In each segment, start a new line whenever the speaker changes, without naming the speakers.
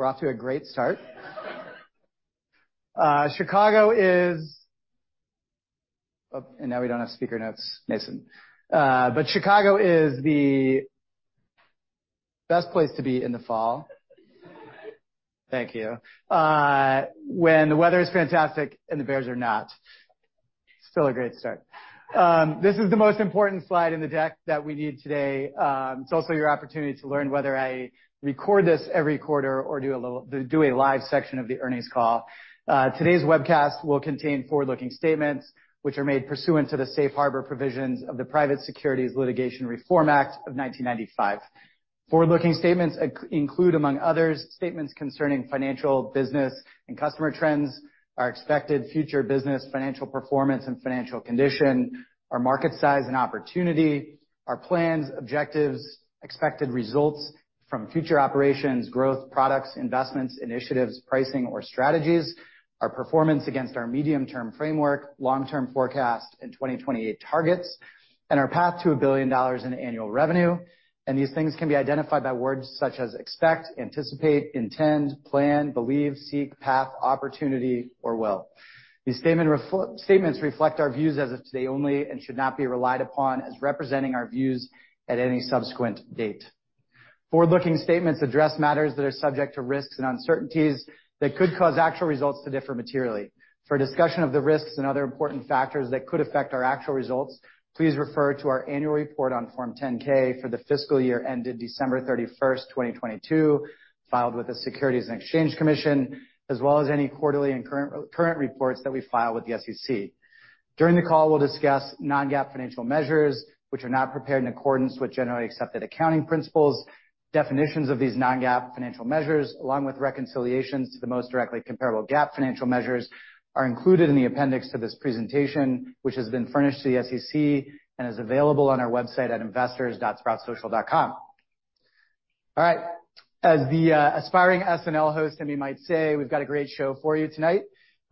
We're off to a great start. Chicago is Oh, and now we don't have speaker notes, Mason. But Chicago is the best place to be in the fall. Thank you. When the weather is fantastic and the Bears are not. Still a great start. This is the most important slide in the deck that we need today. It's also your opportunity to learn whether I record this every quarter or do a little, do a live section of the earnings call. Today's webcast will contain forward-looking statements, which are made pursuant to the safe harbor provisions of the Private Securities Litigation Reform Act of 1995. Forward-looking statements include, among others, statements concerning financial, business, and customer trends, our expected future business, financial performance, and financial condition, our market size and opportunity, our plans, objectives, expected results from future operations, growth, products, investments, initiatives, pricing, or strategies, our performance against our medium-term framework, long-term forecast, and 2028 targets, and our path to $1 billion in annual revenue. These things can be identified by words such as expect, anticipate, intend, plan, believe, seek, path, opportunity, or will. These statements reflect our views as of today only and should not be relied upon as representing our views at any subsequent date. Forward-looking statements address matters that are subject to risks and uncertainties that could cause actual results to differ materially. For a discussion of the risks and other important factors that could affect our actual results, please refer to our annual report on Form 10-K for the fiscal year ended December 31, 2022, filed with the Securities and Exchange Commission, as well as any quarterly and current, current reports that we file with the SEC. During the call, we'll discuss non-GAAP financial measures, which are not prepared in accordance with generally accepted accounting principles. Definitions of these non-GAAP financial measures, along with reconciliations to the most directly comparable GAAP financial measures, are included in the appendix to this presentation, which has been furnished to the SEC and is available on our website at investors.sproutsocial.com. All right, as the, aspiring SNL host, I might say, we've got a great show for you tonight.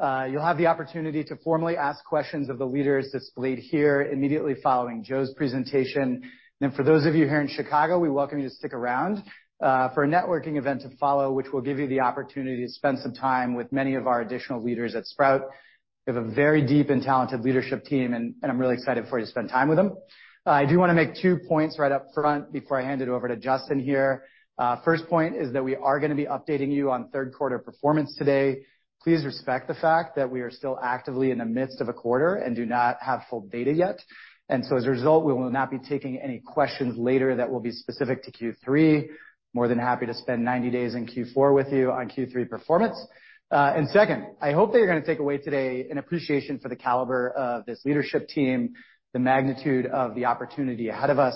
You'll have the opportunity to formally ask questions of the leaders displayed here immediately following Joe's presentation. And for those of you here in Chicago, we welcome you to stick around for a networking event to follow, which will give you the opportunity to spend some time with many of our additional leaders at Sprout. We have a very deep and talented leadership team, and I'm really excited for you to spend time with them. I do want to make two points right up front before I hand it over to Justyn here. First point is that we are going to be updating you on third quarter performance today. Please respect the fact that we are still actively in the midst of a quarter and do not have full data yet. As a result, we will not be taking any questions later that will be specific to Q3. More than happy to spend 90 days in Q4 with you on Q3 performance. And second, I hope that you're going to take away today an appreciation for the caliber of this leadership team, the magnitude of the opportunity ahead of us,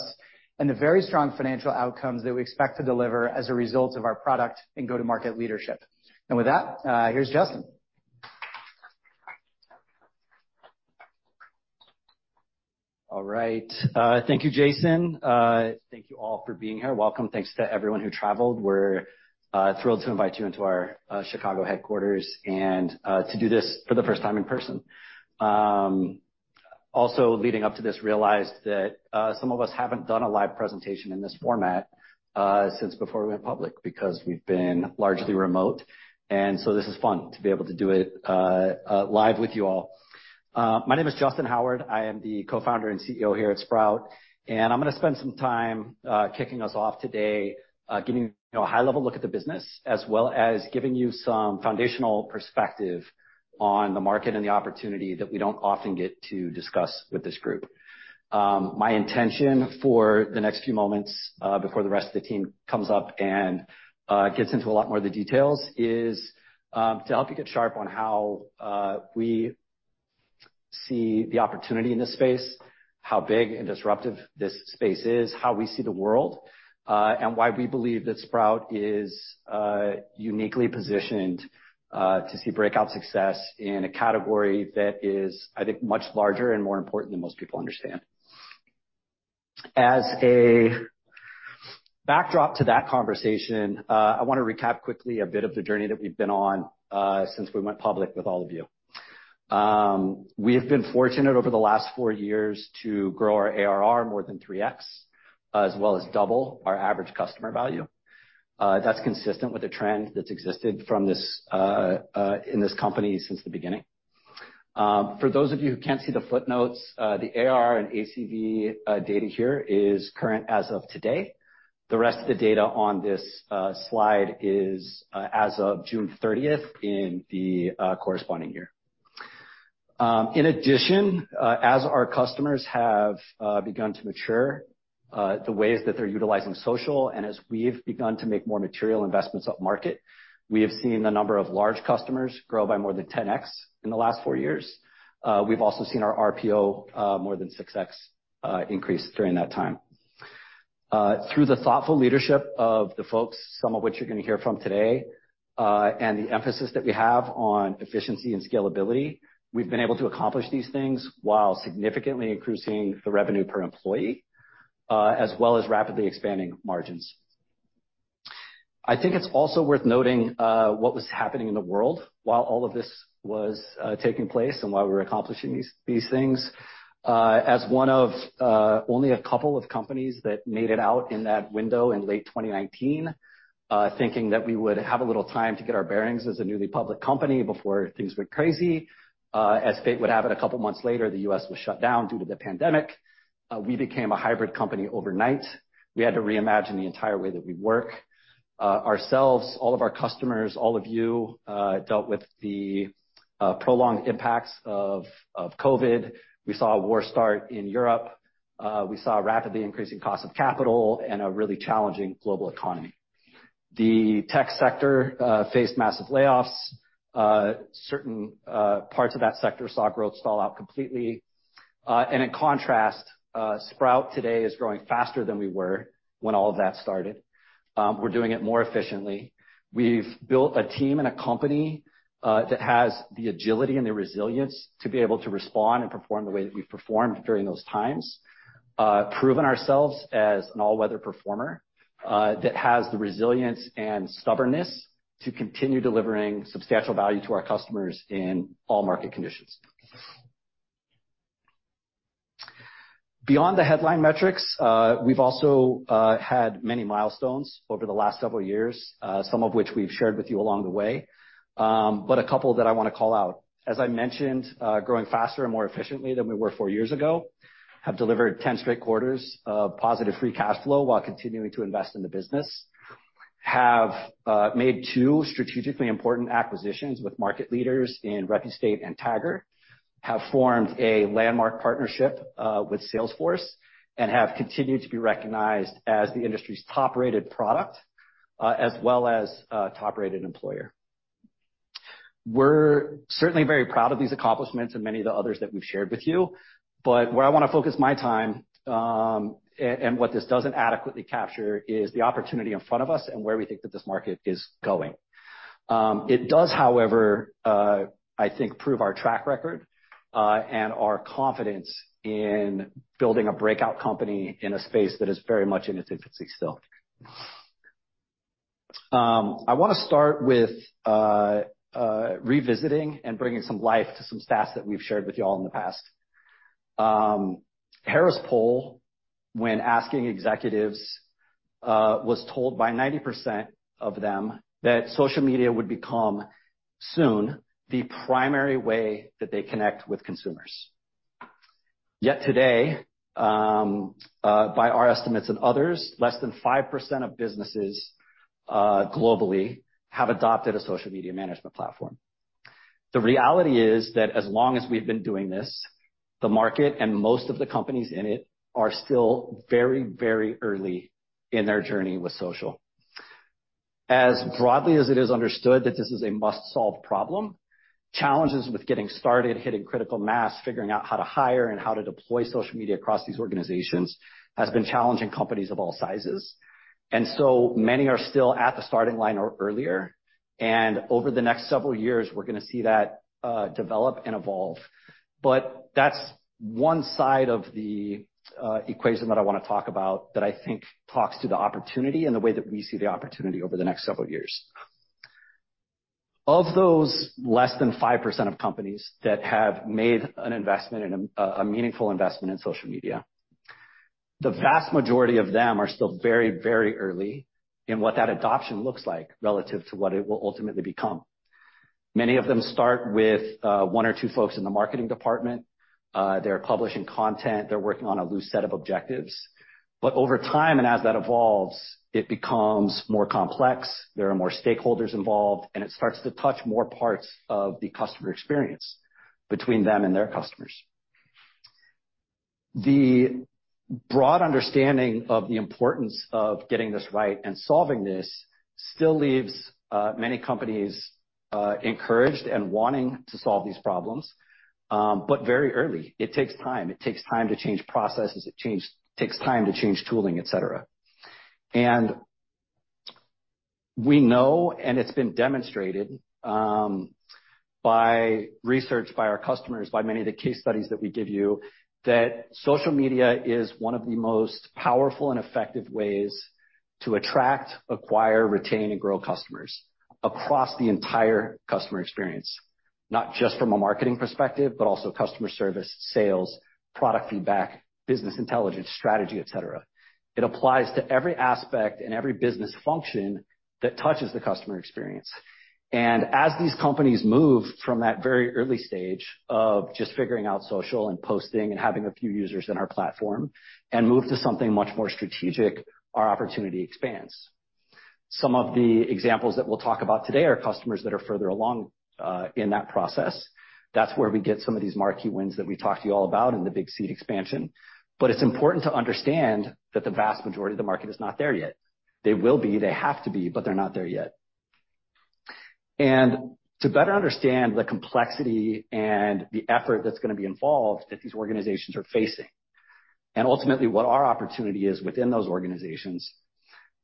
and the very strong financial outcomes that we expect to deliver as a result of our product and go-to-market leadership. With that, here's Justyn.
All right. Thank you, Jason. Thank you all for being here. Welcome. Thanks to everyone who traveled. We're thrilled to invite you into our Chicago headquarters and to do this for the first time in person. Also leading up to this, realized that some of us haven't done a live presentation in this format since before we went public, because we've been largely remote, and so this is fun to be able to do it live with you all. My name is Justyn Howard. I am the Co-Founder and CEO here at Sprout, and I'm going to spend some time kicking us off today, giving you a high-level look at the business, as well as giving you some foundational perspective on the market and the opportunity that we don't often get to discuss with this group. My intention for the next few moments, before the rest of the team comes up and gets into a lot more of the details, is to help you get sharp on how we see the opportunity in this space, how big and disruptive this space is, how we see the world, and why we believe that Sprout is uniquely positioned to see breakout success in a category that is, I think, much larger and more important than most people understand. As a backdrop to that conversation, I want to recap quickly a bit of the journey that we've been on, since we went public with all of you. We have been fortunate over the last four years to grow our ARR more than 3x, as well as double our average customer value. That's consistent with the trend that's existed in this company since the beginning. For those of you who can't see the footnotes, the ARR and ACV data here is current as of today. The rest of the data on this slide is as of June thirtieth in the corresponding year. In addition, as our customers have begun to mature the ways that they're utilizing social, and as we've begun to make more material investments upmarket, we have seen the number of large customers grow by more than 10x in the last four years. We've also seen our RPO more than 6x increase during that time. Through the thoughtful leadership of the folks, some of which you're going to hear from today, and the emphasis that we have on efficiency and scalability, we've been able to accomplish these things while significantly increasing the revenue per employee, as well as rapidly expanding margins. I think it's also worth noting what was happening in the world while all of this was taking place and while we were accomplishing these things. As one of only a couple of companies that made it out in that window in late 2019, thinking that we would have a little time to get our bearings as a newly public company before things went crazy. As fate would have it, a couple of months later, the U.S. was shut down due to the pandemic. We became a hybrid company overnight. We had to reimagine the entire way that we work. Ourselves, all of our customers, all of you, dealt with the prolonged impacts of COVID. We saw a war start in Europe. We saw a rapidly increasing cost of capital and a really challenging global economy. The tech sector faced massive layoffs. Certain parts of that sector saw growth stall out completely. And in contrast, Sprout today is growing faster than we were when all of that started. We're doing it more efficiently. We've built a team and a company that has the agility and the resilience to be able to respond and perform the way that we've performed during those times, proven ourselves as an all-weather performer that has the resilience and stubbornness to continue delivering substantial value to our customers in all market conditions. Beyond the headline metrics, we've also had many milestones over the last several years, some of which we've shared with you along the way. But a couple that I want to call out, as I mentioned, growing faster and more efficiently than we were four years ago, have delivered 10 straight quarters of positive free cash flow while continuing to invest in the business. Have made two strategically important acquisitions with market leaders in Repustate and Tagger, have formed a landmark partnership with Salesforce, and have continued to be recognized as the industry's top-rated product, as well as a top-rated employer. We're certainly very proud of these accomplishments and many of the others that we've shared with you. But where I want to focus my time, what this doesn't adequately capture, is the opportunity in front of us and where we think that this market is going. It does, however, I think, prove our track record, and our confidence in building a breakout company in a space that is very much in its infancy still. I want to start with, revisiting and bringing some life to some stats that we've shared with you all in the past. Harris Poll, when asking executives, was told by 90% of them that social media would become soon the primary way that they connect with consumers. Yet today, by our estimates and others, less than 5% of businesses, globally, have adopted a social media management platform. The reality is that as long as we've been doing this, the market and most of the companies in it are still very, very early in their journey with social. As broadly as it is understood that this is a must-solve problem, challenges with getting started, hitting critical mass, figuring out how to hire and how to deploy social media across these organizations, has been challenging companies of all sizes, and so many are still at the starting line or earlier, and over the next several years, we're going to see that, develop and evolve. But that's one side of the equation that I want to talk about, that I think talks to the opportunity and the way that we see the opportunity over the next several years. Of those less than 5% of companies that have made an investment in a meaningful investment in social media, the vast majority of them are still very, very early in what that adoption looks like relative to what it will ultimately become. Many of them start with one or two folks in the marketing department. They're publishing content, they're working on a loose set of objectives. But over time, and as that evolves, it becomes more complex. There are more stakeholders involved, and it starts to touch more parts of the customer experience between them and their customers. The broad understanding of the importance of getting this right and solving this still leaves many companies encouraged and wanting to solve these problems, but very early. It takes time. It takes time to change processes. It takes time to change tooling, et cetera. We know, and it's been demonstrated by research, by our customers, by many of the case studies that we give you, that social media is one of the most powerful and effective ways to attract, acquire, retain, and grow customers across the entire customer experience, not just from a marketing perspective, but also customer service, sales, product feedback, business intelligence, strategy, et cetera. It applies to every aspect and every business function that touches the customer experience. As these companies move from that very early stage of just figuring out social and posting and having a few users in our platform, and move to something much more strategic, our opportunity expands. Some of the examples that we'll talk about today are customers that are further along in that process. That's where we get some of these marquee wins that we talked to you all about in the big seat expansion. But it's important to understand that the vast majority of the market is not there yet. They will be, they have to be, but they're not there yet. And to better understand the complexity and the effort that's going to be involved, that these organizations are facing, and ultimately what our opportunity is within those organizations,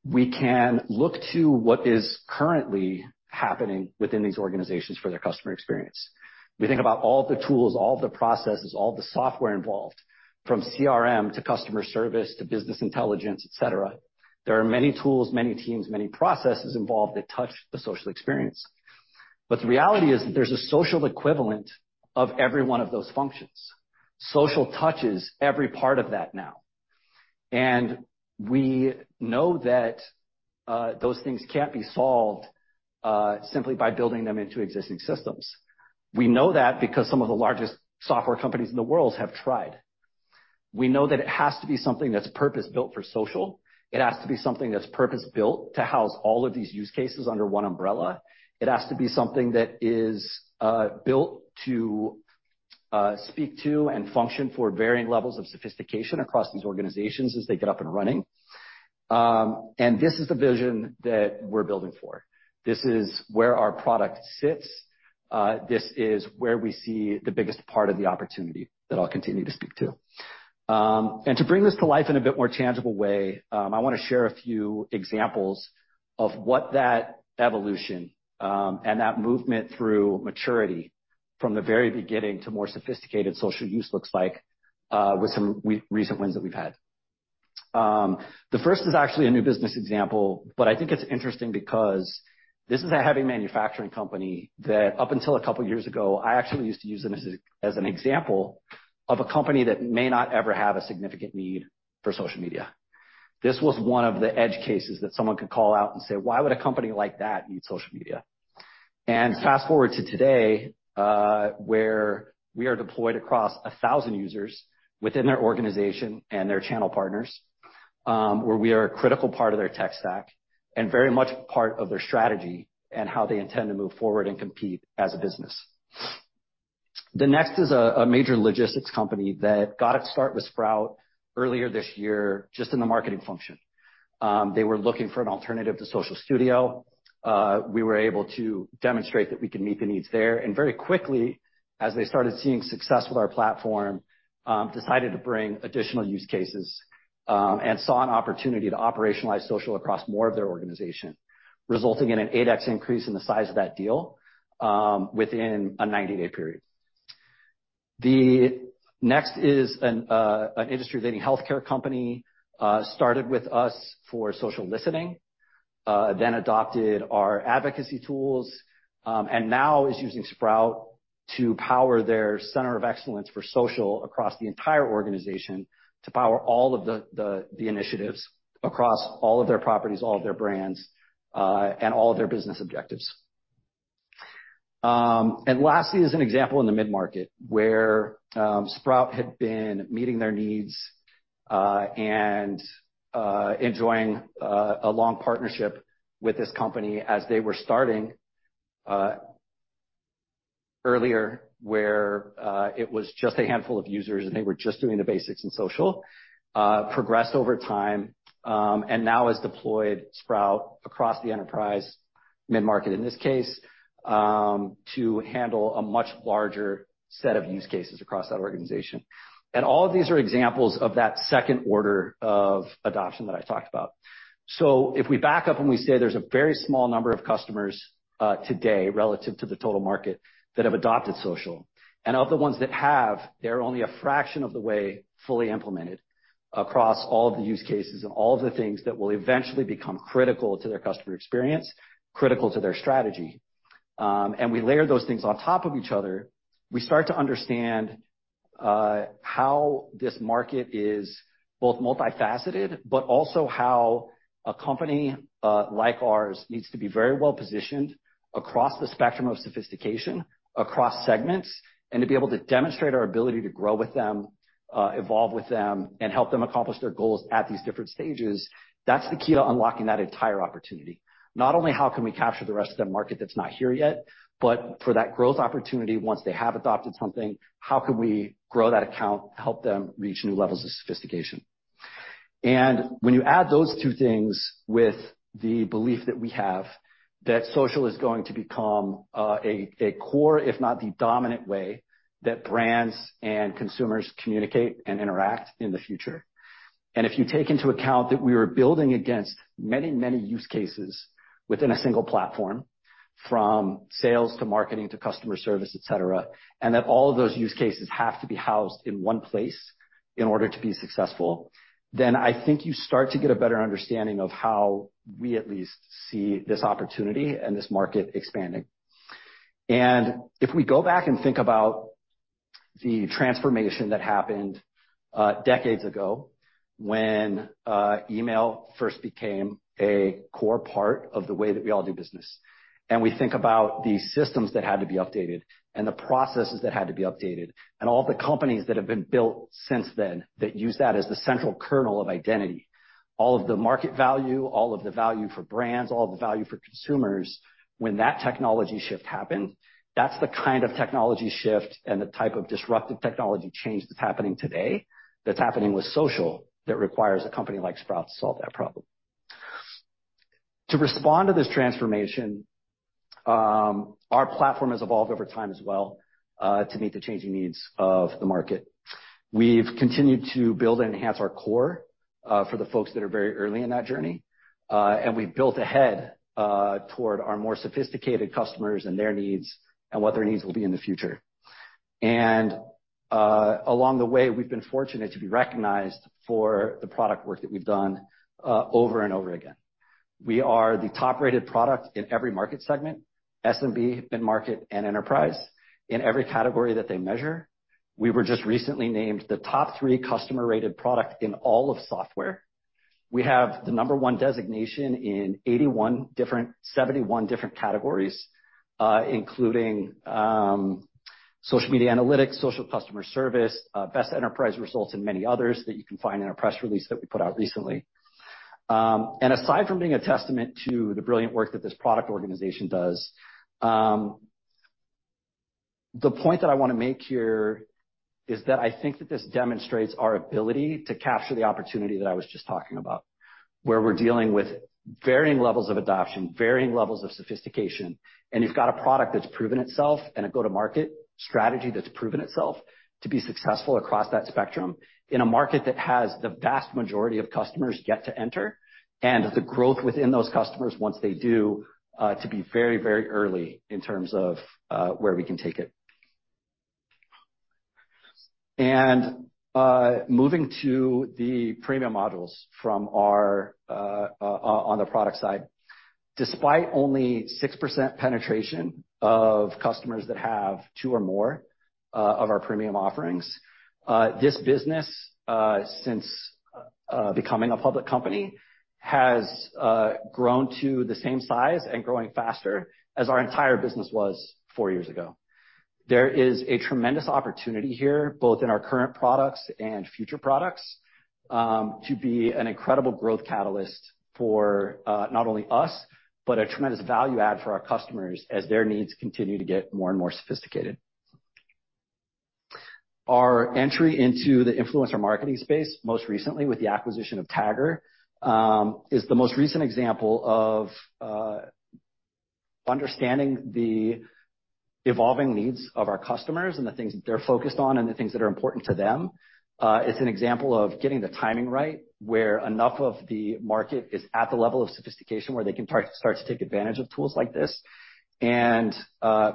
we can look to what is currently happening within these organizations for their customer experience. We think about all the tools, all the processes, all the software involved, from CRM to customer service to business intelligence, et cetera. There are many tools, many teams, many processes involved that touch the social experience but the reality is that there's a social equivalent of every one of those functions. Social touches every part of that now, and we know that, those things can't be solved, simply by building them into existing systems. We know that because some of the largest software companies in the world have tried. We know that it has to be something that's purpose-built for social. It has to be something that's purpose-built to house all of these use cases under one umbrella. It has to be something that is, built to, speak to and function for varying levels of sophistication across these organizations as they get up and running. And this is the vision that we're building for. This is where our product sits. This is where we see the biggest part of the opportunity that I'll continue to speak to. And to bring this to life in a bit more tangible way, I want to share a few examples of what that evolution and that movement through maturity from the very beginning to more sophisticated social use looks like, with some recent wins that we've had. The first is actually a new business example, but I think it's interesting because this is a heavy manufacturing company that up until a couple of years ago, I actually used to use them as an example of a company that may not ever have a significant need for social media. This was one of the edge cases that someone could call out and say, "Why would a company like that need social media?" And fast-forward to today, where we are deployed across 1,000 users within their organization and their channel partners, where we are a critical part of their tech stack and very much part of their strategy and how they intend to move forward and compete as a business. The next is a major logistics company that got its start with Sprout earlier this year, just in the marketing function. They were looking for an alternative to Social Studio. We were able to demonstrate that we can meet the needs there, and very quickly, as they started seeing success with our platform, decided to bring additional use cases, and saw an opportunity to operationalize social across more of their organization, resulting in an 8x increase in the size of that deal, within a 90-day period. The next is an industry-leading healthcare company, started with us for social listening, then adopted our advocacy tools, and now is using Sprout to power their center of excellence for social across the entire organization, to power all of the initiatives across all of their properties, all of their brands, and all of their business objectives. And lastly, as an example in the mid-market, where Sprout had been meeting their needs, and enjoying a long partnership with this company as they were starting earlier, where it was just a handful of users, and they were just doing the basics in social, progressed over time, and now has deployed Sprout across the enterprise, mid-market, in this case, to handle a much larger set of use cases across that organization. And all of these are examples of that second order of adoption that I talked about. So if we back up and we say there's a very small number of customers, today relative to the total market that have adopted social, and of the ones that have, they're only a fraction of the way fully implemented across all of the use cases and all of the things that will eventually become critical to their customer experience, critical to their strategy, and we layer those things on top of each other, we start to understand, how this market is both multifaceted, but also how a company, like ours, needs to be very well-positioned across the spectrum of sophistication, across segments, and to be able to demonstrate our ability to grow with them, evolve with them, and help them accomplish their goals at these different stages. That's the key to unlocking that entire opportunity. Not only how can we capture the rest of the market that's not here yet, but for that growth opportunity, once they have adopted something, how can we grow that account to help them reach new levels of sophistication? And when you add those two things with the belief that we have, that social is going to become a core, if not the dominant way, that brands and consumers communicate and interact in the future. And if you take into account that we are building against many, many use cases within a single platform, from sales to marketing to customer service, et cetera, and that all of those use cases have to be housed in one place in order to be successful, then I think you start to get a better understanding of how we at least see this opportunity and this market expanding. If we go back and think about the transformation that happened decades ago, when email first became a core part of the way that we all do business, and we think about the systems that had to be updated and the processes that had to be updated, and all the companies that have been built since then, that use that as the central kernel of identity. All of the market value, all of the value for brands, all of the value for consumers, when that technology shift happened, that's the kind of technology shift and the type of disruptive technology change that's happening today, that's happening with social, that requires a company like Sprout to solve that problem. To respond to this transformation, our platform has evolved over time as well, to meet the changing needs of the market. We've continued to build and enhance our core for the folks that are very early in that journey, and we've built ahead toward our more sophisticated customers and their needs and what their needs will be in the future. Along the way, we've been fortunate to be recognized for the product work that we've done over and over again. We are the top-rated product in every market segment, SMB, mid-market, and enterprise, in every category that they measure. We were just recently named the top 3 customer-rated product in all of software. We have the number one designation in 71 different categories, including social media analytics, social customer service, best enterprise results, and many others that you can find in our press release that we put out recently. Aside from being a testament to the brilliant work that this product organization does, the point that I want to make here is that I think that this demonstrates our ability to capture the opportunity that I was just talking about, where we're dealing with varying levels of adoption, varying levels of sophistication, and you've got a product that's proven itself, and a go-to-market strategy that's proven itself to be successful across that spectrum, in a market that has the vast majority of customers yet to enter, and the growth within those customers once they do, to be very, very early in terms of where we can take it. And moving to the premium models from our on the product side. Despite only 6% penetration of customers that have two or more of our premium offerings, this business, since becoming a public company, has grown to the same size and growing faster as our entire business was 4 years ago. There is a tremendous opportunity here, both in our current products and future products, to be an incredible growth catalyst for, not only us, but a tremendous value add for our customers as their needs continue to get more and more sophisticated. Our entry into the influencer marketing space, most recently with the acquisition of Tagger, is the most recent example of understanding the evolving needs of our customers and the things that they're focused on and the things that are important to them. It's an example of getting the timing right, where enough of the market is at the level of sophistication where they can start to take advantage of tools like this, and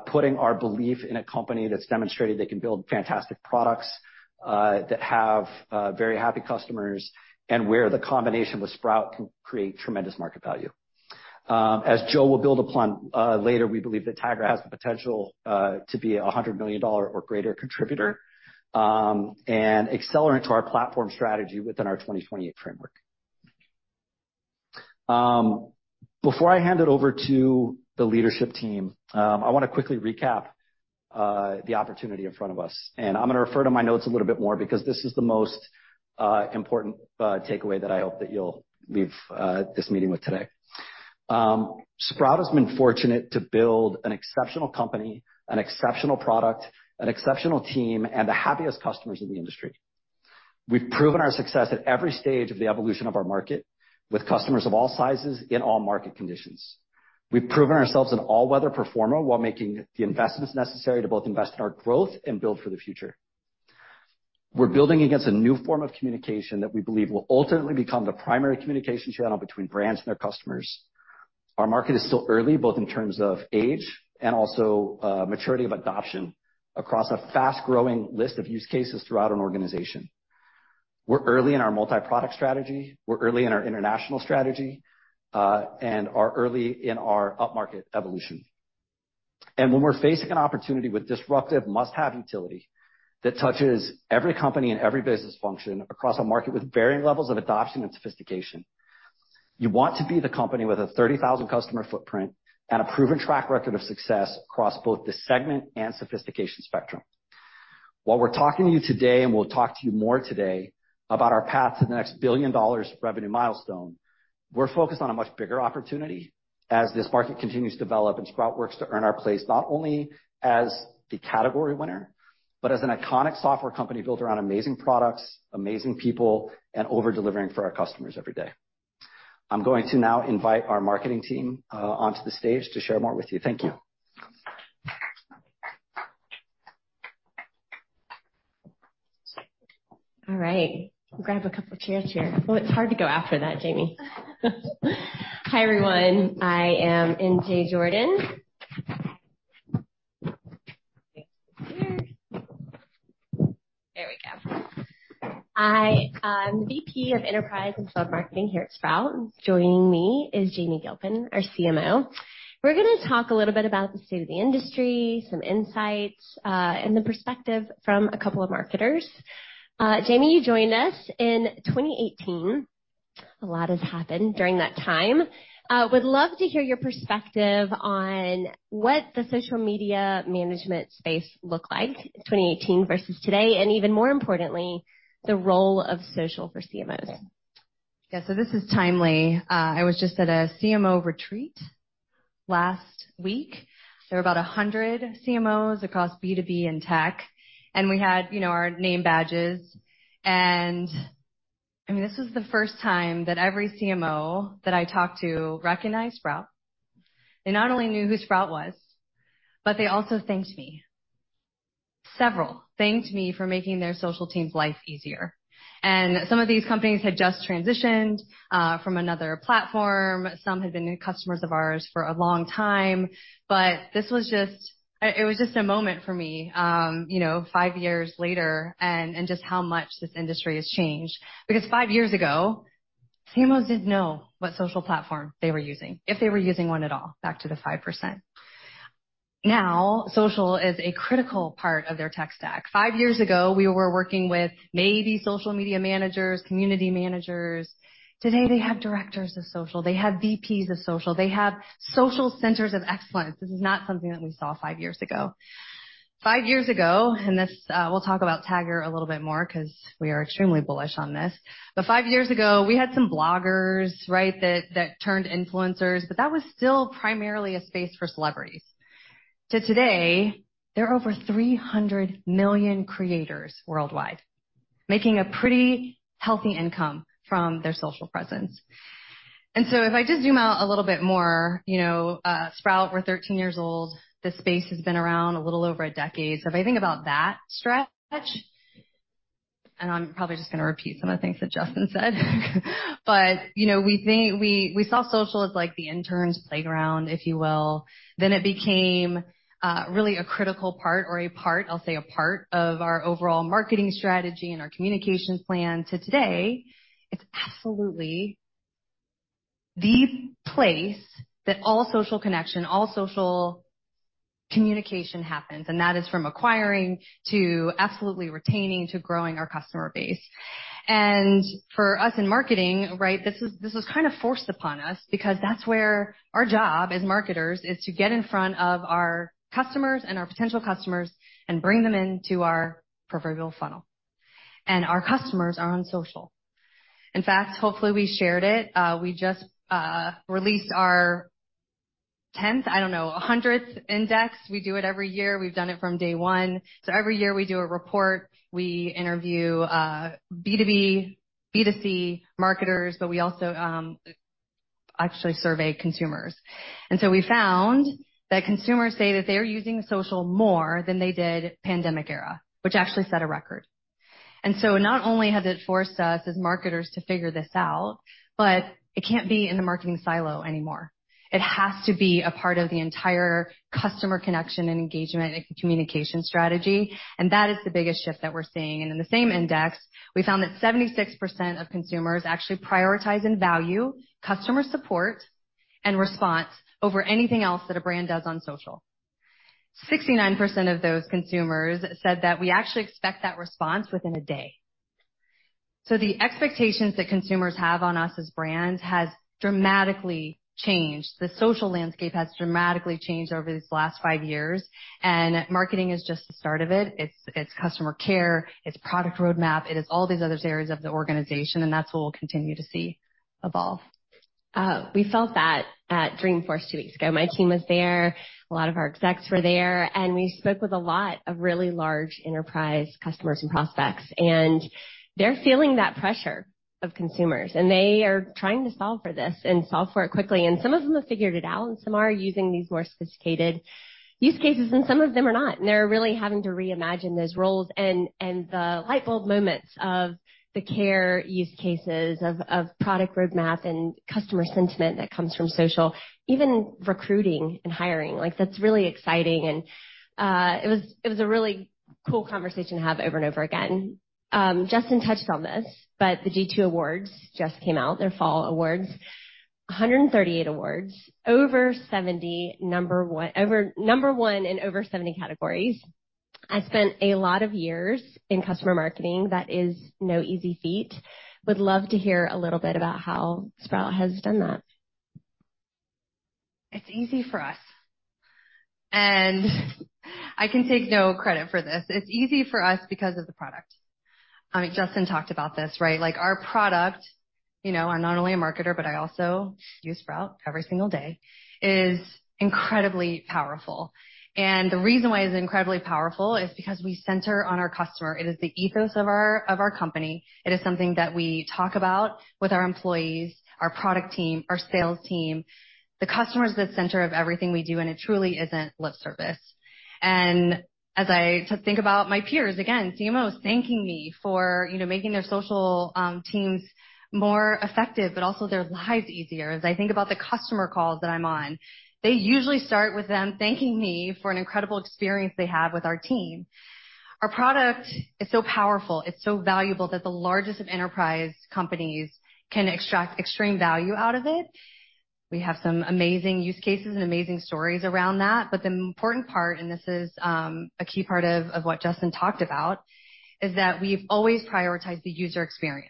putting our belief in a company that's demonstrated they can build fantastic products that have very happy customers, and where the combination with Sprout can create tremendous market value. As Joe will build upon later, we believe that Tagger has the potential to be a $100 million or greater contributor, and accelerant to our platform strategy within our 2028 framework. Before I hand it over to the leadership team, I want to quickly recap the opportunity in front of us, and I'm going to refer to my notes a little bit more because this is the most important takeaway that I hope that you'll leave this meeting with today. Sprout has been fortunate to build an exceptional company, an exceptional product, an exceptional team, and the happiest customers in the industry. We've proven our success at every stage of the evolution of our market with customers of all sizes in all market conditions. We've proven ourselves an all-weather performer while making the investments necessary to both invest in our growth and build for the future. We're building against a new form of communication that we believe will ultimately become the primary communication channel between brands and their customers. Our market is still early, both in terms of age and also, maturity of adoption, across a fast-growing list of use cases throughout an organization. We're early in our multi-product strategy, we're early in our international strategy, and are early in our upmarket evolution. When we're facing an opportunity with disruptive must-have utility that touches every company and every business function across a market with varying levels of adoption and sophistication, you want to be the company with a 30,000 customer footprint and a proven track record of success across both the segment and sophistication spectrum. While we're talking to you today, and we'll talk to you more today about our path to the next $1 billion revenue milestone, we're focused on a much bigger opportunity as this market continues to develop and Sprout works to earn our place, not only as the category winner, but as an iconic software company built around amazing products, amazing people, and over-delivering for our customers every day. I'm going to now invite our marketing team onto the stage to share more with you. Thank you.
All right. Grab a couple chairs here. Well, it's hard to go after that, Jamie. Hi, everyone. I am MJ Jordan. There we go. I am VP of Enterprise and SMB Marketing here at Sprout. Joining me is Jamie Gilpin, our CMO. We're gonna talk a little bit about the state of the industry, some insights, and the perspective from a couple of marketers. Jamie, you joined us in 2018. A lot has happened during that time. Would love to hear your perspective on what the social media management space looked like in 2018 versus today, and even more importantly, the role of social for CMOs.
Yeah, so this is timely. I was just at a CMO retreat last week. There were about 100 CMOs across B2B and tech, and we had, you know, our name badges. And, I mean, this is the first time that every CMO that I talked to recognized Sprout. They not only knew who Sprout was, but they also thanked me. Several thanked me for making their social team's life easier. And some of these companies had just transitioned from another platform. Some had been customers of ours for a long time, but this was just a moment for me, you know, five years later, and just how much this industry has changed. Because five years ago, CMOs didn't know what social platform they were using, if they were using one at all, back to the 5%. Now, social is a critical part of their tech stack.
Five years ago, we were working with maybe social media managers, community managers. Today, they have directors of social, they have VPs of social, they have social centers of excellence. This is not something that we saw five years ago. Five years ago, and this, we'll talk about Tagger a little bit more 'cause we are extremely bullish on this. But five years ago, we had some bloggers, right, that, that turned influencers, but that was still primarily a space for celebrities. To today, there are over 300 million creators worldwide, making a pretty healthy income from their social presence. And so if I just zoom out a little bit more, you know, Sprout, we're 13 years old. This space has been around a little over a decade. So if I think about that stretch, and I'm probably just gonna repeat some of the things that Justyn said. But, you know, we think we, we saw social as, like, the intern's playground, if you will. Then it became really a critical part or a part, I'll say, a part of our overall marketing strategy and our communications plan. To today, it's absolutely the place that all social connection, all social communication happens, and that is from acquiring to absolutely retaining to growing our customer base. And for us in marketing, right, this is, this is kind of forced upon us because that's where our job as marketers is to get in front of our customers and our potential customers and bring them into our proverbial funnel. And our customers are on social. In fact, hopefully, we shared it. We just released our tenth, I don't know, hundredth index. We do it every year. We've done it from day one. So every year we do a report. We interview B2B, B2C marketers, but we also actually survey consumers. So we found that consumers say that they are using social more than they did pandemic era, which actually set a record. Not only has it forced us as marketers to figure this out, but it can't be in the marketing silo anymore. It has to be a part of the entire customer connection and engagement and communication strategy, and that is the biggest shift that we're seeing. In the same index, we found that 76% of consumers actually prioritize and value customer support and response over anything else that a brand does on social. 69% of those consumers said that we actually expect that response within a day. So the expectations that consumers have on us as brands has dramatically changed. The social landscape has dramatically changed over these last five years, and marketing is just the start of it. It's customer care, it's product roadmap, it is all these other areas of the organization, and that's what we'll continue to see evolve. We felt that at Dreamforce two weeks ago. My team was there, a lot of our execs were there, and we spoke with a lot of really large enterprise customers and prospects, and they're feeling that pressure of consumers, and they are trying to solve for this and solve for it quickly. Some of them have figured it out, and some are using these more sophisticated use cases, and some of them are not. They're really having to reimagine those roles and the light bulb moments of the care use cases of product roadmap and customer sentiment that comes from social, even recruiting and hiring. Like, that's really exciting and it was a really cool conversation to have over and over again. Justyn touched on this, but the G2 Awards just came out, their fall awards. 138 awards, over 70 number one over number one in over 70 categories. I spent a lot of years in customer marketing, that is no easy feat. Would love to hear a little bit about how Sprout has done that.
It's easy for us, and I can take no credit for this. It's easy for us because of the product. I mean, Justyn talked about this, right? Like, our product, you know, I'm not only a marketer, but I also use Sprout every single day, is incredibly powerful. And the reason why it's incredibly powerful is because we center on our customer. It is the ethos of our, of our company. It is something that we talk about with our employees, our product team, our sales team. The customer is the center of everything we do, and it truly isn't lip service. And as I think about my peers, again, CMOs, thanking me for, you know, making their social teams more effective, but also their lives easier. As I think about the customer calls that I'm on, they usually start with them thanking me for an incredible experience they have with our team. Our product is so powerful, it's so valuable that the largest of enterprise companies can extract extreme value out of it. We have some amazing use cases and amazing stories around that, but the important part, and this is a key part of what Justyn talked about, is that we've always prioritized the user experience.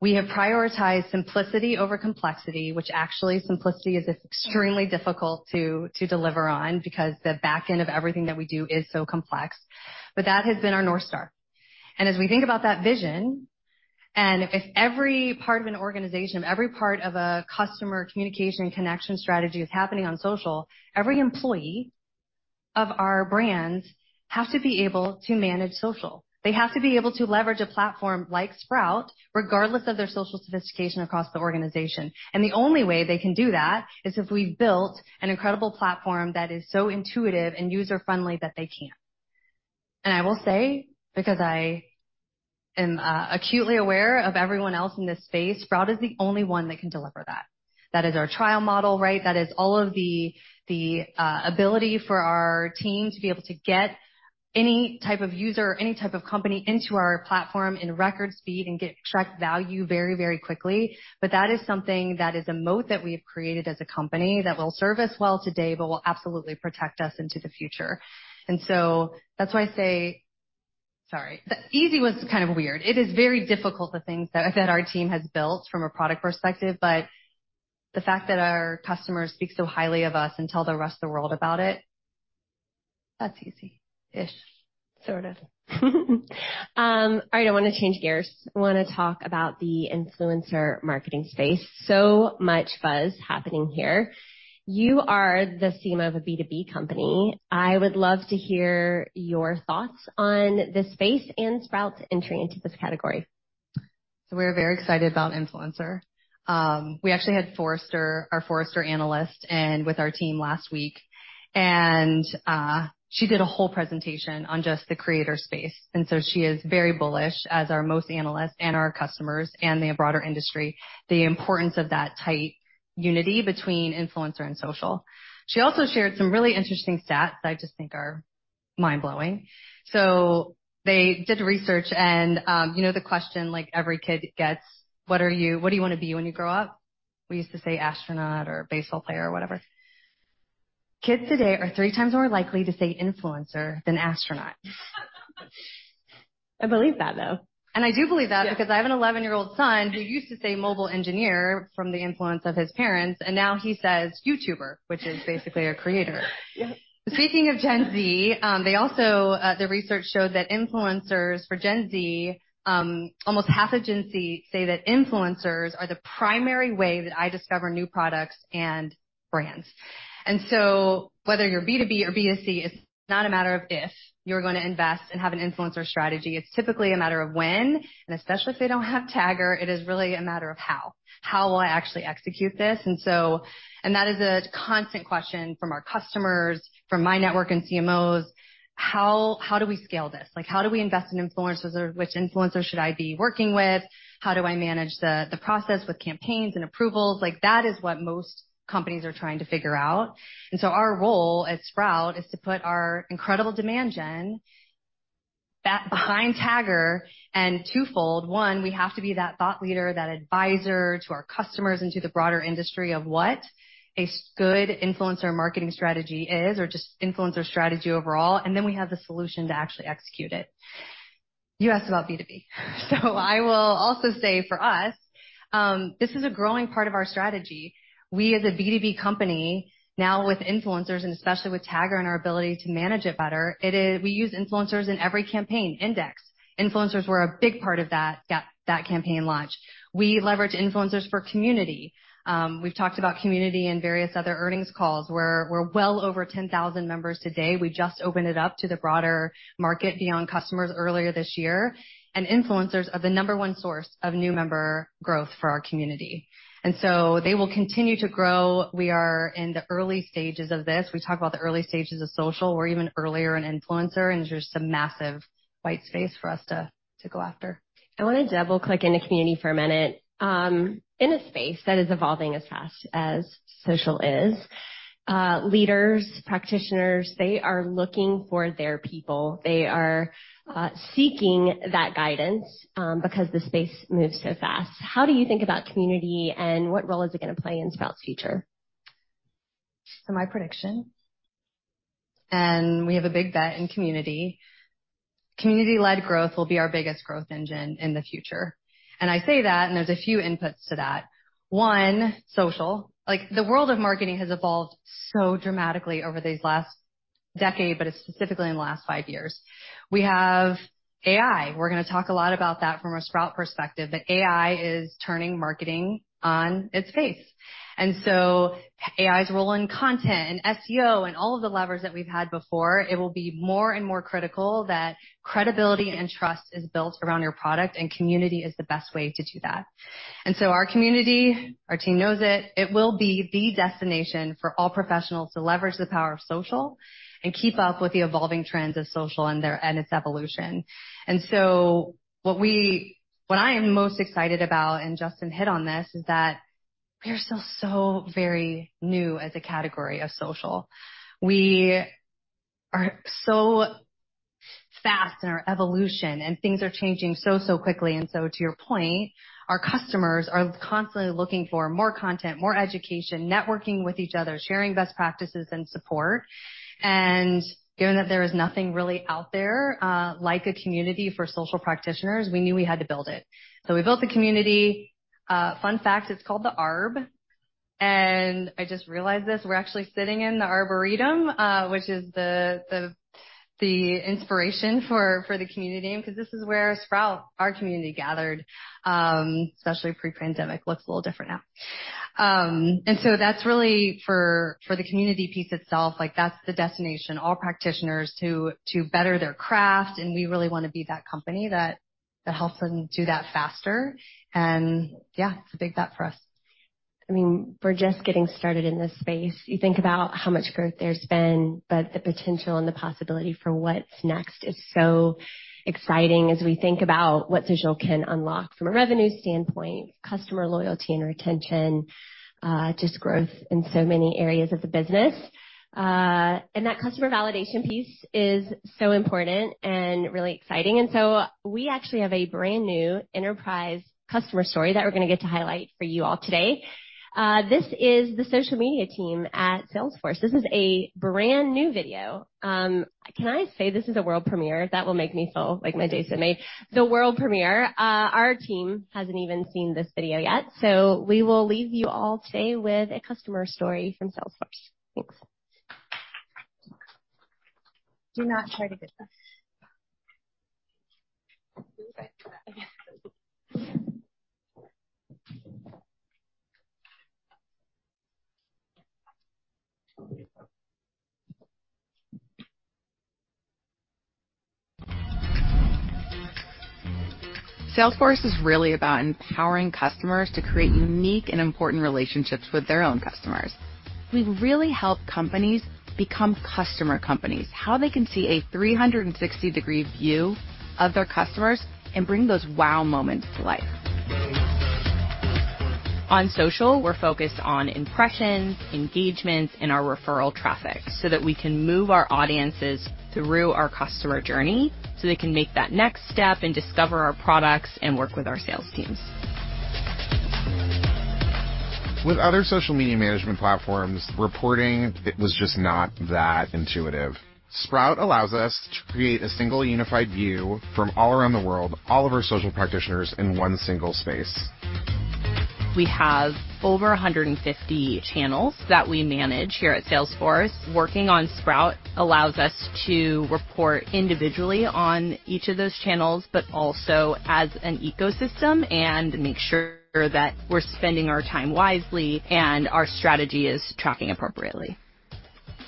We have prioritized simplicity over complexity, which actually, simplicity is extremely difficult to deliver on because the back end of everything that we do is so complex. But that has been our North Star. As we think about that vision, and if every part of an organization, every part of a customer communication connection strategy is happening on social, every employee of our brands have to be able to manage social. They have to be able to leverage a platform like Sprout, regardless of their social sophistication across the organization. The only way they can do that is if we've built an incredible platform that is so intuitive and user-friendly that they can I will say, because I am acutely aware of everyone else in this space, Sprout is the only one that can deliver that. That is our trial model, right? That is all of the ability for our team to be able to get any type of user or any type of company into our platform in record speed and get track value very, very quickly. But that is something that is a moat that we have created as a company that will serve us well today, but will absolutely protect us into the future. And so that's why I say, sorry, the easy one's kind of weird. It is very difficult, the things that our team has built from a product perspective, but the fact that our customers speak so highly of us and tell the rest of the world about it, that's easy-ish. Sort of.
All right, I want to change gears. I want to talk about the influencer marketing space. So much buzz happening here. You are the CMO of a B2B company. I would love to hear your thoughts on this space and Sprout's entry into this category.
So we're very excited about influencer. We actually had Forrester, our Forrester analyst, and with our team last week, and she did a whole presentation on just the creator space, and so she is very bullish, as are most analysts and our customers and the broader industry, the importance of that tight unity between influencer and social. She also shared some really interesting stats that I just think are mind-blowing. So they did research and, you know, the question, like every kid gets: What are you? What do you want to be when you grow up? We used to say astronaut or baseball player or whatever. Kids today are three times more likely to say influencer than astronaut.
I believe that, though.
I do believe that
Yeah.
because I have an eleven-year-old son who used to say mobile engineer from the influence of his parents, and now he says YouTuber, which is basically a creator.
Yeah.
Speaking of Gen Z, they also. The research showed that influencers for Gen Z, almost half of Gen Z say that influencers are the primary way that I discover new products and brands. And so whether you're B2B or B2C, it's not a matter of if you're going to invest and have an influencer strategy, it's typically a matter of when, and especially if they don't have Tagger, it is really a matter of how. How will I actually execute this? And that is a constant question from our customers, from my network and CMOs: How do we scale this? Like, how do we invest in influencers, or which influencers should I be working with? How do I manage the process with campaigns and approvals? Like, that is what most companies are trying to figure out. And so our role at Sprout is to put our incredible demand gen that behind Tagger and twofold. One, we have to be that thought leader, that advisor to our customers and to the broader industry of what a good influencer marketing strategy is or just influencer strategy overall. And then we have the solution to actually execute it. You asked about B2B, so I will also say for us, this is a growing part of our strategy. We, as a B2B company, now with influencers, and especially with Tagger and our ability to manage it better, it is. We use influencers in every campaign. Index. Influencers were a big part of that campaign launch. We leverage influencers for community. We've talked about community in various other earnings calls, where we're well over 10,000 members today. We just opened it up to the broader market beyond customers earlier this year, and influencers are the number one source of new member growth for our community, and so they will continue to grow. We are in the early stages of this. We talk about the early stages of social. We're even earlier in influencer, and there's just a massive white space for us to, to go after.
I want to double-click into community for a minute. In a space that is evolving as fast as social is, leaders, practitioners, they are looking for their people. They are seeking that guidance, because the space moves so fast. How do you think about community, and what role is it going to play in Sprout's future?
So my prediction, and we have a big bet in community, community-led growth will be our biggest growth engine in the future. And I say that, and there's a few inputs to that. One, social. Like, the world of marketing has evolved so dramatically over these last decade, but specifically in the last five years. We have AI. We're going to talk a lot about that from a Sprout perspective, but AI is turning marketing on its face. And so AI's role in content and SEO and all of the levers that we've had before, it will be more and more critical that credibility and trust is built around your product, and community is the best way to do that. And so our community, our team knows it. It will be the destination for all professionals to leverage the power of social and keep up with the evolving trends of social and their, and its evolution. And so what we what I am most excited about, and Justyn hit on this, is that we are still so very new as a category of social. We are so fast in our evolution, and things are changing so, so quickly. And so to your point, our customers are constantly looking for more content, more education, networking with each other, sharing best practices and support. And given that there is nothing really out there, like a community for social practitioners, we knew we had to build it. So we built the community. Fun fact, it's called the Arb, and I just realized this, we're actually sitting in the Arboretum, which is the inspiration for the community, because this is where Sprout, our community, gathered, especially pre-pandemic. Looks a little different now. And so that's really for the community piece itself, like, that's the destination, all practitioners to better their craft, and we really want to be that company that. That helps them do that faster. And yeah, it's a big bet for us.
I mean, we're just getting started in this space. You think about how much growth there's been, but the potential and the possibility for what's next is so exciting as we think about what social can unlock from a revenue standpoint, customer loyalty and retention, just growth in so many areas of the business. And that customer validation piece is so important and really exciting. And so we actually have a brand new enterprise customer story that we're going to get to highlight for you all today. This is the social media team at Salesforce. This is a brand-new video. Can I say this is a world premiere? That will make me feel like my day just made. The world premiere. Our team hasn't even seen this video yet, so we will leave you all today with a customer story from Salesforce. Thanks. Do not try to get this.
Salesforce is really about empowering customers to create unique and important relationships with their own customers. We've really helped companies become customer companies, how they can see a 360-degree view of their customers and bring those wow moments to life. On social, we're focused on impressions, engagements, and our referral traffic so that we can move our audiences through our customer journey so they can make that next step and discover our products and work with our sales teams. With other social media management platforms, reporting, it was just not that intuitive. Sprout allows us to create a single unified view from all around the world, all of our social practitioners in one single space. We have over 150 channels that we manage here at Salesforce. Working on Sprout allows us to report individually on each of those channels, but also as an ecosystem, and make sure that we're spending our time wisely and our strategy is tracking appropriately.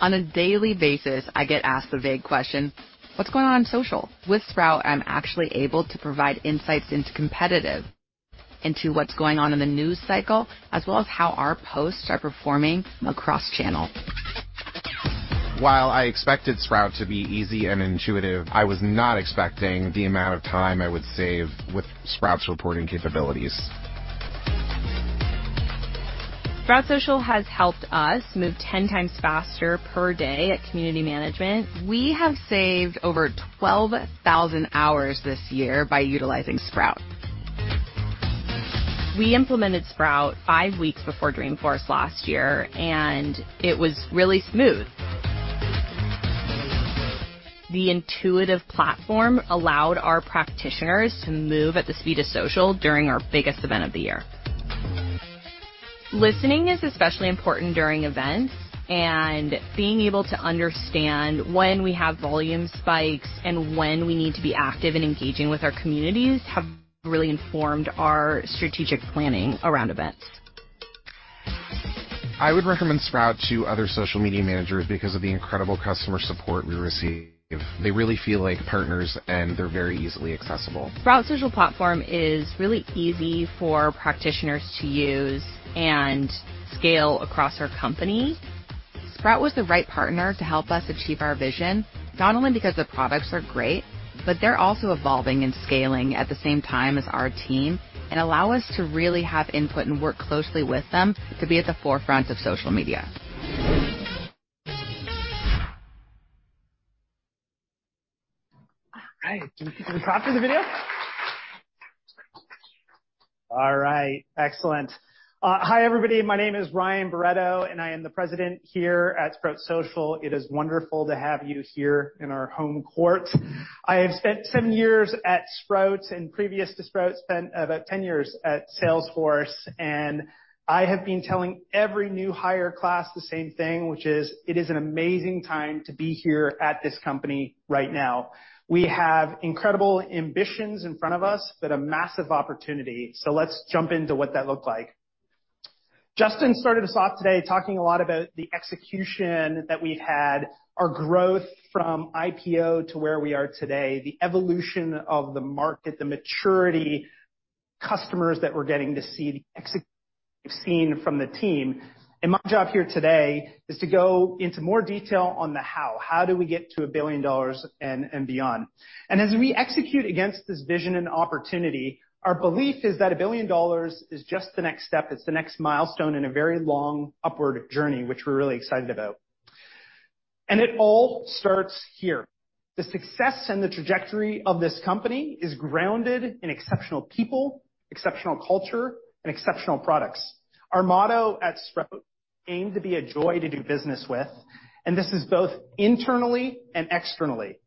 On a daily basis, I get asked the vague question: "What's going on in social?" With Sprout, I'm actually able to provide insights into competitive, into what's going on in the news cycle, as well as how our posts are performing across channel. While I expected Sprout to be easy and intuitive, I was not expecting the amount of time I would save with Sprout's reporting capabilities. Sprout Social has helped us move 10 times faster per day at community management. We have saved over 12,000 hours this year by utilizing Sprout. We implemented Sprout five weeks before Dreamforce last year, and it was really smooth. The intuitive platform allowed our practitioners to move at the speed of social during our biggest event of the year. Listening is especially important during events, and being able to understand when we have volume spikes and when we need to be active and engaging with our communities, have really informed our strategic planning around events. I would recommend Sprout to other social media managers because of the incredible customer support we receive. They really feel like partners, and they're very easily accessible. Sprout Social platform is really easy for practitioners to use and scale across our company. Sprout was the right partner to help us achieve our vision, not only because the products are great, but they're also evolving and scaling at the same time as our team and allow us to really have input and work closely with them to be at th. forefront of social media.
All right. Can we clap for the video? All right. Excellent. Hi, everybody. My name is Ryan Barretto, and I am the president here at Sprout Social. It is wonderful to have you here in our home court. I have spent seven years at Sprout, and previous to Sprout, spent about 10 years at Salesforce, and I have been telling every new hire class the same thing, which is, "It is an amazing time to be here at this company right now." We have incredible ambitions in front of us, but a massive opportunity. So let's jump into what that looked like. Justyn started us off today talking a lot about the execution that we've had, our growth from IPO to where we are today, the evolution of the market, the maturity, customers that we're getting to see, the execution we've seen from the team. And my job here today is to go into more detail on the how. How do we get to $1 billion and, and beyond? And as we execute against this vision and opportunity, our belief is that $1 billion is just the next step. It's the next milestone in a very long upward journey, which we're really excited about. And it all starts here. The success and the trajectory of this company is grounded in exceptional people, exceptional culture, and exceptional products. Our motto at Sprout: "Aim to be a joy to do business with," and this is both internally and externally.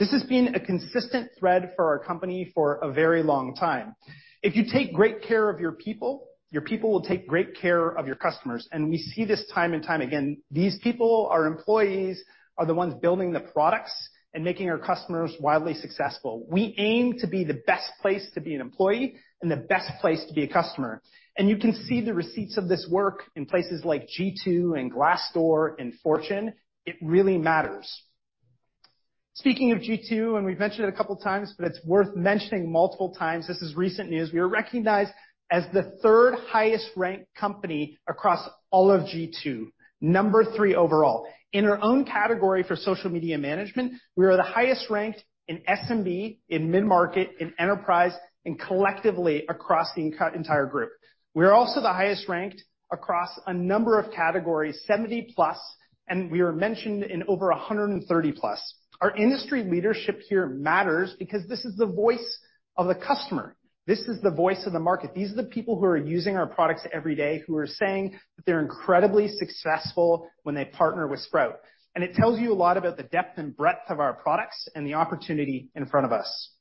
This has been a consistent thread for our company for a very long time. If you take great care of your people, your people will take great care of your customers, and we see this time and time again. These people, our employees, are the ones building the products and making our customers wildly successful. We aim to be the best place to be an employee and the best place to be a customer. You can see the receipts of this work in places like G2, Glassdoor, and Fortune. It really matters. Speaking of G2, we've mentioned it a couple of times, but it's worth mentioning multiple times. This is recent news. We were recognized as the third highest ranked company across all of G2, number 3 overall. In our own category for social media management, we are the highest ranked in SMB, in mid-market, in enterprise, and collectively across the entire group. We are also the highest ranked across a number of categories, 70+, and we are mentioned in over 130+. Our industry leadership here matters because this is the voice of the customer, this is the voice of the market. These are the people who are using our products every day, who are saying that they're incredibly successful when they partner with Sprout. And it tells you a lot about the depth and breadth of our products and the opportunity in front of us.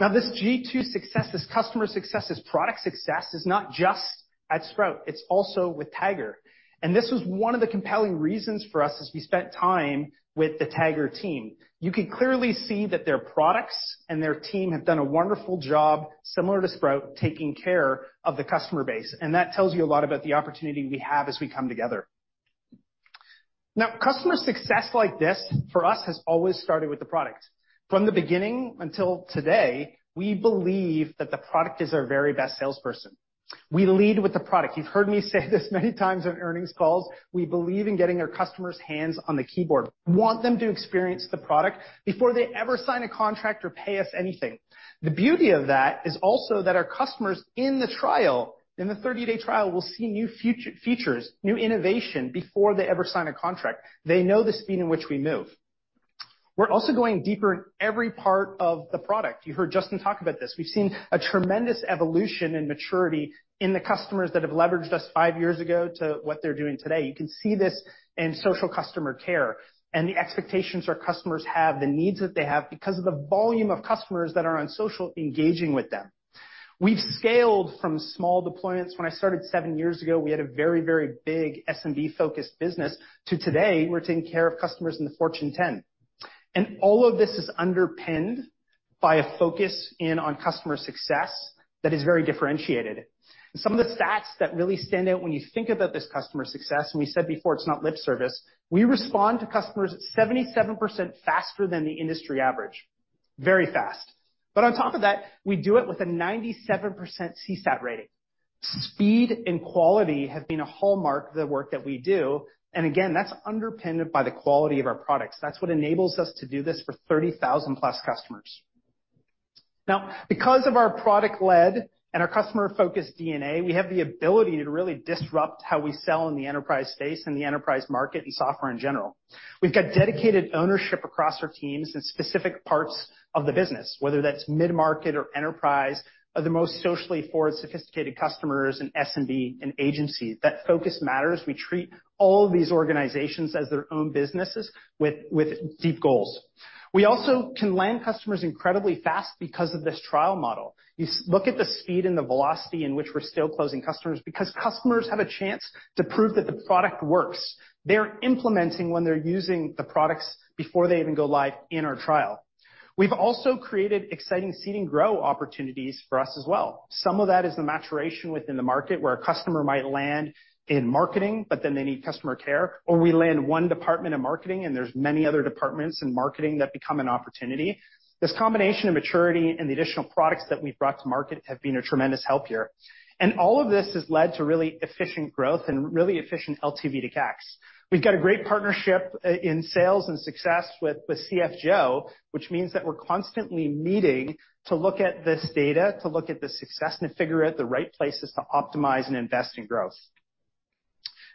Now, this G2 success, this customer success, this product success, is not just at Sprout, it's also with Tagger, and this was one of the compelling reasons for us as we spent time with the Tagger team. You can clearly see that their products and their team have done a wonderful job, similar to Sprout, taking care of the customer base, and that tells you a lot about the opportunity we have as we come together. Now, customer success like this, for us, has always started with the product. From the beginning until today, we believe that the product is our very best salesperson. We lead with the product. You've heard me say this many times on earnings calls. We believe in getting our customers' hands on the keyboard. We want them to experience the product before they ever sign a contract or pay us anything. The beauty of that is also that our customers in the trial, in the 30-day trial, will see new features, new innovation, before they ever sign a contract. They know the speed in which we move. We're also going deeper in every part of the product. You heard Justyn talk about this. We've seen a tremendous evolution in maturity in the customers that have leveraged us 5 years ago to what they're doing today. You can see this in social customer care and the expectations our customers have, the needs that they have, because of the volume of customers that are on social, engaging with them. We've scaled from small deployments. When I started seven years ago, we had a very, very big SMB-focused business, to today, we're taking care of customers in the Fortune 10. All of this is underpinned by a focus in on customer success that is very differentiated. Some of the stats that really stand out when you think about this customer success, and we said before, it's not lip service. We respond to customers 77% faster than the industry average. Very fast. But on top of that, we do it with a 97% CSAT rating. Speed and quality have been a hallmark of the work that we do, and again, that's underpinned by the quality of our products. That's what enables us to do this for 30,000+ customers. Now, because of our product lead and our customer-focused DNA, we have the ability to really disrupt how we sell in the enterprise space and the enterprise market and software in general. We've got dedicated ownership across our teams in specific parts of the business, whether that's mid-market or enterprise, or the most socially forward, sophisticated customers in SMB and agencies. That focus matters. We treat all of these organizations as their own businesses with deep goals. We also can land customers incredibly fast because of this trial model. You look at the speed and the velocity in which we're still closing customers, because customers have a chance to prove that the product works. They're implementing when they're using the products before they even go live in our trial. We've also created exciting seed and grow opportunities for us as well. Some of that is the maturation within the market, where a customer might land in marketing, but then they need customer care, or we land one department in marketing, and there's many other departments in marketing that become an opportunity. This combination of maturity and the additional products that we've brought to market have been a tremendous help here, and all of this has led to really efficient growth and really efficient LTV to CAC. We've got a great partnership in sales and success with CFO, which means that we're constantly meeting to look at this data, to look at the success, and to figure out the right places to optimize and invest in growth.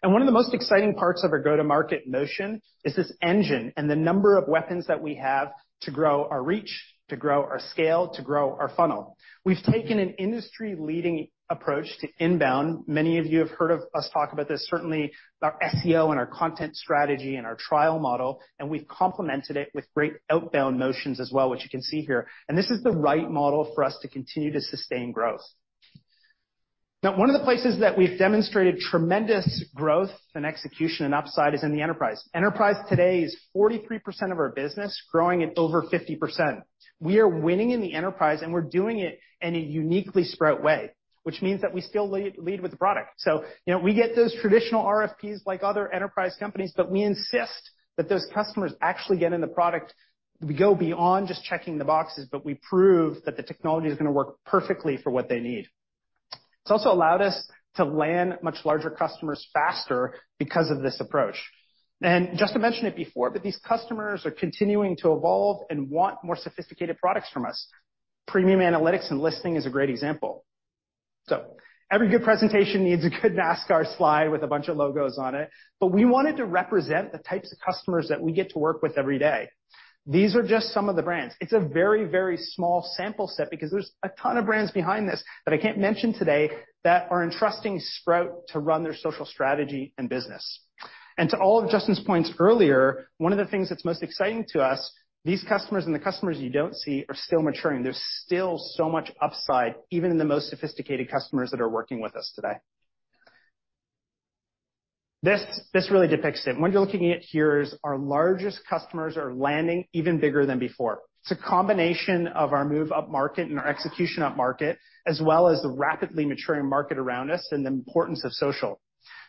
And one of the most exciting parts of our go-to-market motion is this engine and the number of weapons that we have to grow our reach, to grow our scale, to grow our funnel. We've taken an industry-leading approach to inbound. Many of you have heard of us talk about this, certainly our SEO and our content strategy and our trial model, and we've complemented it with great outbound motions as well, which you can see here. And this is the right model for us to continue to sustain growth. Now, one of the places that we've demonstrated tremendous growth and execution and upside is in the enterprise. Enterprise today is 43% of our business, growing at over 50%. We are winning in the enterprise, and we're doing it in a uniquely Sprout way, which means that we still lead with the product. So, you know, we get those traditional RFPs like other enterprise companies, but we insist that those customers actually get in the product. We go beyond just checking the boxes, but we prove that the technology is going to work perfectly for what they need. It's also allowed us to land much larger customers faster because of this approach. And Justyn mentioned it before, but these customers are continuing to evolve and want more sophisticated products from us. Premium Analytics and Listening is a great example. So every good presentation needs a good NASCAR slide with a bunch of logos on it, but we wanted to represent the types of customers that we get to work with every day. These are just some of the brands. It's a very, very small sample set because there's a ton of brands behind this that I can't mention today that are entrusting Sprout to run their social strategy and business. And to all of Justyn's points earlier, one of the things that's most exciting to us, these customers and the customers you don't see, are still maturing. There's still so much upside, even in the most sophisticated customers that are working with us today. This, this really depicts it. What you're looking at here is our largest customers are landing even bigger than before. It's a combination of our move up market and our execution upmarket, as well as the rapidly maturing market around us and the importance of social.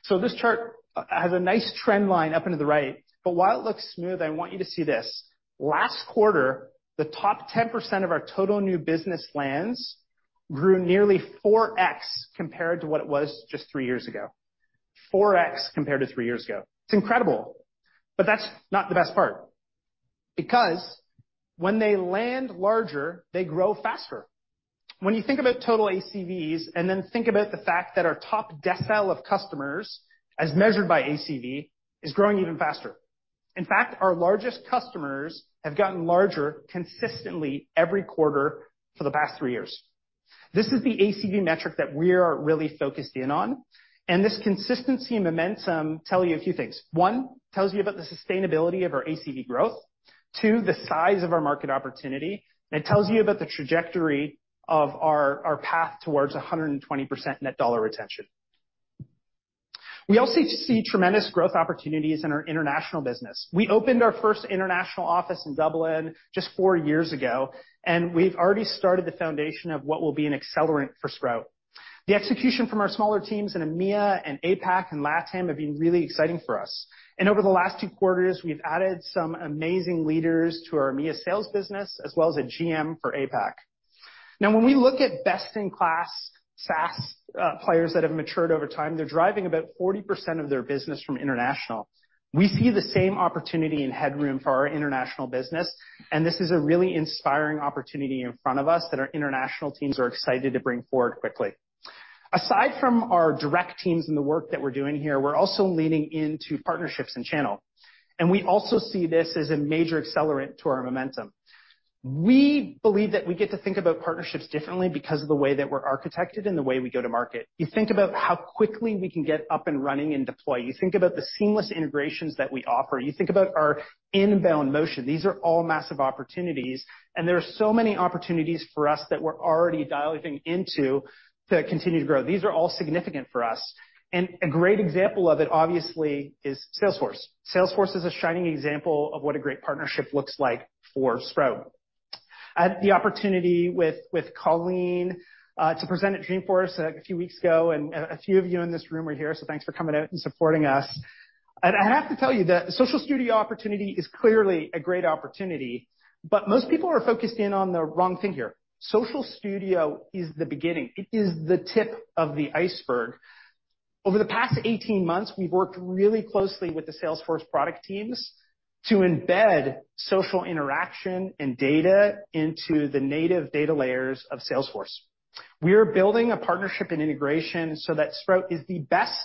So this chart has a nice trend line up into the right. But while it looks smooth, I want you to see this. Last quarter, the top 10% of our total new business grew nearly 4x compared to what it was just three years ago. 4x compared to three years ago. It's incredible, but that's not the best part, because when they land larger, they grow faster. When you think about total ACVs, and then think about the fact that our top decile of customers, as measured by ACV, is growing even faster. In fact, our largest customers have gotten larger consistently every quarter for the past three years. This is the ACV metric that we are really focused in on, and this consistency and momentum tell you a few things. One, tells you about the sustainability of our ACV growth. Two, the size of our market opportunity, and it tells you about the trajectory of our path towards 120% net dollar retention. We also see tremendous growth opportunities in our international business. We opened our first international office in Dublin just four years ago, and we've already started the foundation of what will be an accelerant for Sprout. The execution from our smaller teams in EMEA and APAC and LATAM have been really exciting for us. Over the last two quarters, we've added some amazing leaders to our EMEA sales business, as well as a GM for APAC. Now, when we look at best-in-class SaaS players that have matured over time, they're driving about 40% of their business from international. We see the same opportunity and headroom for our international business, and this is a really inspiring opportunity in front of us that our international teams are excited to bring forward quickly. Aside from our direct teams and the work that we're doing here, we're also leaning into partnerships and channel, and we also see this as a major accelerant to our momentum. We believe that we get to think about partnerships differently because of the way that we're architected and the way we go to market. You think about how quickly we can get up and running and deploy. You think about the seamless integrations that we offer. You think about our inbound motion. These are all massive opportunities, and there are so many opportunities for us that we're already dialing into to continue to grow. These are all significant for us, and a great example of it, obviously, is Salesforce. Salesforce is a shining example of what a great partnership looks like for Sprout. I had the opportunity with Colleen to present at Dreamforce a few weeks ago, and a few of you in this room were here, so thanks for coming out and supporting us. I'd have to tell you that the Social Studio opportunity is clearly a great opportunity, but most people are focused in on the wrong thing here. Social Studio is the beginning. It is the tip of the iceberg. Over the past 18 months, we've worked really closely with the Salesforce product teams to embed social interaction and data into the native data layers of Salesforce. We are building a partnership and integration so that Sprout is the best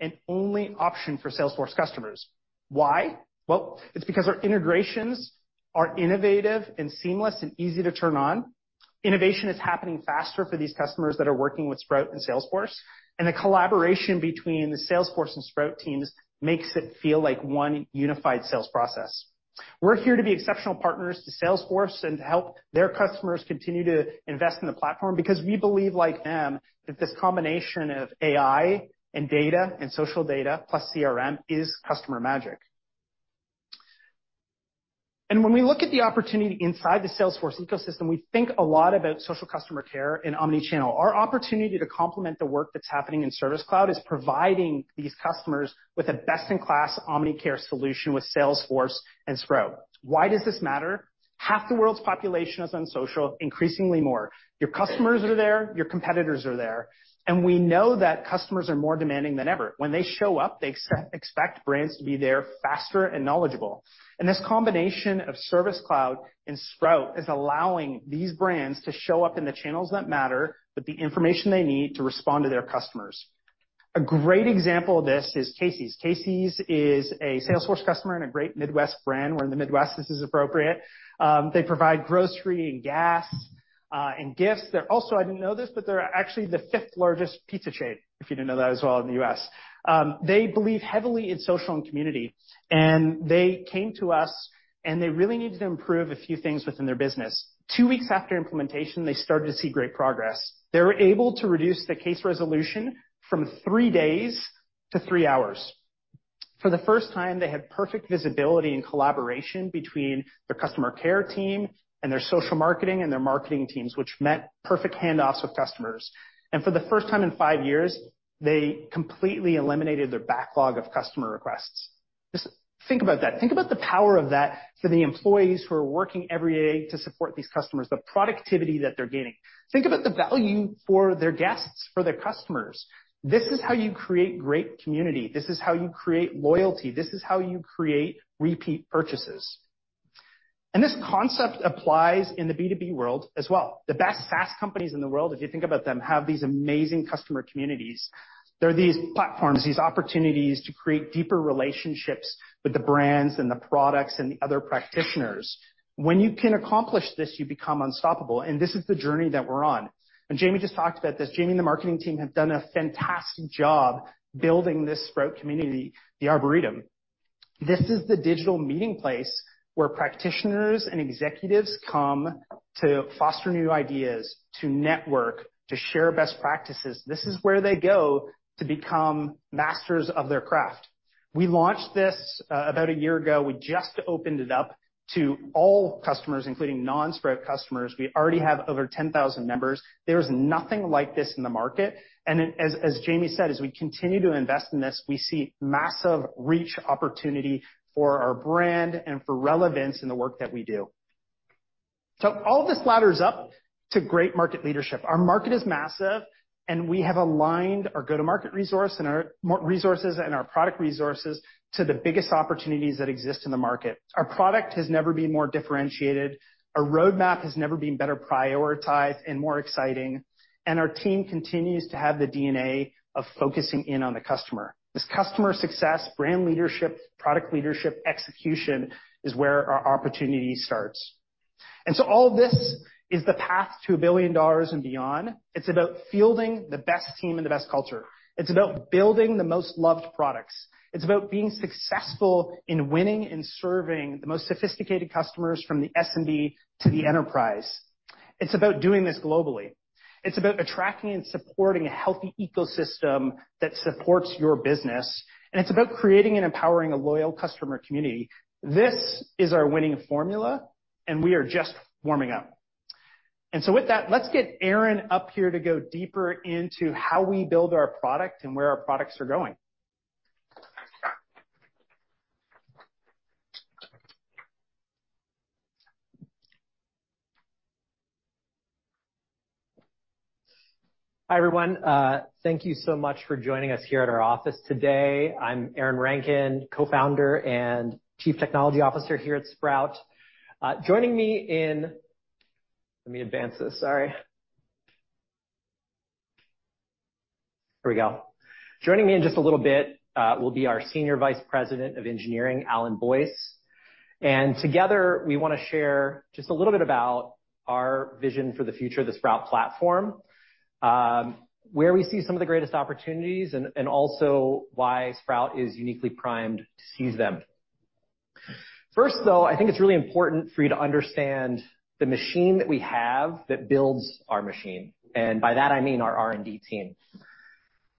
and only option for Salesforce customers. Why? Well, it's because our integrations are innovative and seamless and easy to turn on. Innovation is happening faster for these customers that are working with Sprout and Salesforce, and the collaboration between the Salesforce and Sprout teams makes it feel like one unified sales process. We're here to be exceptional partners to Salesforce and to help their customers continue to invest in the platform because we believe, like them, that this combination of AI and data and social data, plus CRM, is customer magic. When we look at the opportunity inside the Salesforce ecosystem, we think a lot about social customer care and omnichannel. Our opportunity to complement the work that's happening in Service Cloud is providing these customers with a best-in-class omni-care solution with Salesforce and Sprout. Why does this matter? Half the world's population is on social, increasingly more. Your customers are there, your competitors are there, and we know that customers are more demanding than ever. When they show up, they expect brands to be there faster and knowledgeable. And this combination of Service Cloud and Sprout is allowing these brands to show up in the channels that matter, with the information they need to respond to their customers. A great example of this is Casey's. Casey's is a Salesforce customer and a great Midwest brand. We're in the Midwest, this is appropriate. They provide grocery and gas, and gifts. They're also, I didn't know this, but they're actually the fifth largest pizza chain, if you didn't know that as well, in the U.S. They believe heavily in social and community, and they came to us, and they really needed to improve a few things within their business. Two weeks after implementation, they started to see great progress. They were able to reduce the case resolution from three days to three hours. For the first time, they had perfect visibility and collaboration between their customer care team and their social marketing and their marketing teams, which meant perfect handoffs with customers. And for the first time in five years, they completely eliminated their backlog of customer requests. Just think about that. Think about the power of that for the employees who are working every day to support these customers, the productivity that they're gaining. Think about the value for their guests, for their customers. This is how you create great community. This is how you create loyalty. This is how you create repeat purchases. And this concept applies in the B2B world as well. The best SaaS companies in the world, if you think about them, have these amazing customer communities. They're these platforms, these opportunities to create deeper relationships with the brands and the products and the other practitioners. When you can accomplish this, you become unstoppable, and this is the journey that we're on. Jamie just talked about this. Jamie and the marketing team have done a fantastic job building this Sprout community, the Arboretum. This is the digital meeting place where practitioners and executives come to foster new ideas, to network, to share best practices. This is where they go to become masters of their craft. We launched this about a year ago. We just opened it up to all customers, including non-Sprout customers. We already have over 10,000 members. There is nothing like this in the market, and as Jamie said, as we continue to invest in this, we see massive reach opportunity for our brand and for relevance in the work that we do. All of this ladders up to great market leadership. Our market is massive, and we have aligned our go-to-market resource and our resources and our product resources to the biggest opportunities that exist in the market. Our product has never been more differentiated, our roadmap has never been better prioritized and more exciting, and our team continues to have the DNA of focusing in on the customer. This customer success, brand leadership, product leadership, execution is where our opportunity starts. And so all of this is the path to $1 billion and beyond. It's about fielding the best team and the best culture. It's about building the most loved products. It's about being successful in winning and serving the most sophisticated customers, from the SMB to the enterprise. It's about doing this globally. It's about attracting and supporting a healthy ecosystem that supports your business, and it's about creating and empowering a loyal customer community. This is our winning formula, and we are just warming up. So with that, let's get Aaron up here to go deeper into how we build our product and where our products are going.
Hi, everyone. Thank you so much for joining us here at our office today. I'm Aaron Rankin, Co-founder and Chief Technology Officer here at Sprout. Joining me in just a little bit will be our Senior Vice President of Engineering, Alan Boyce. And together, we want to share just a little bit about our vision for the future of the Sprout platform, where we see some of the greatest opportunities, and, and also why Sprout is uniquely primed to seize them. First, though, I think it's really important for you to understand the machine that we have that builds our machine, and by that, I mean our R&D team.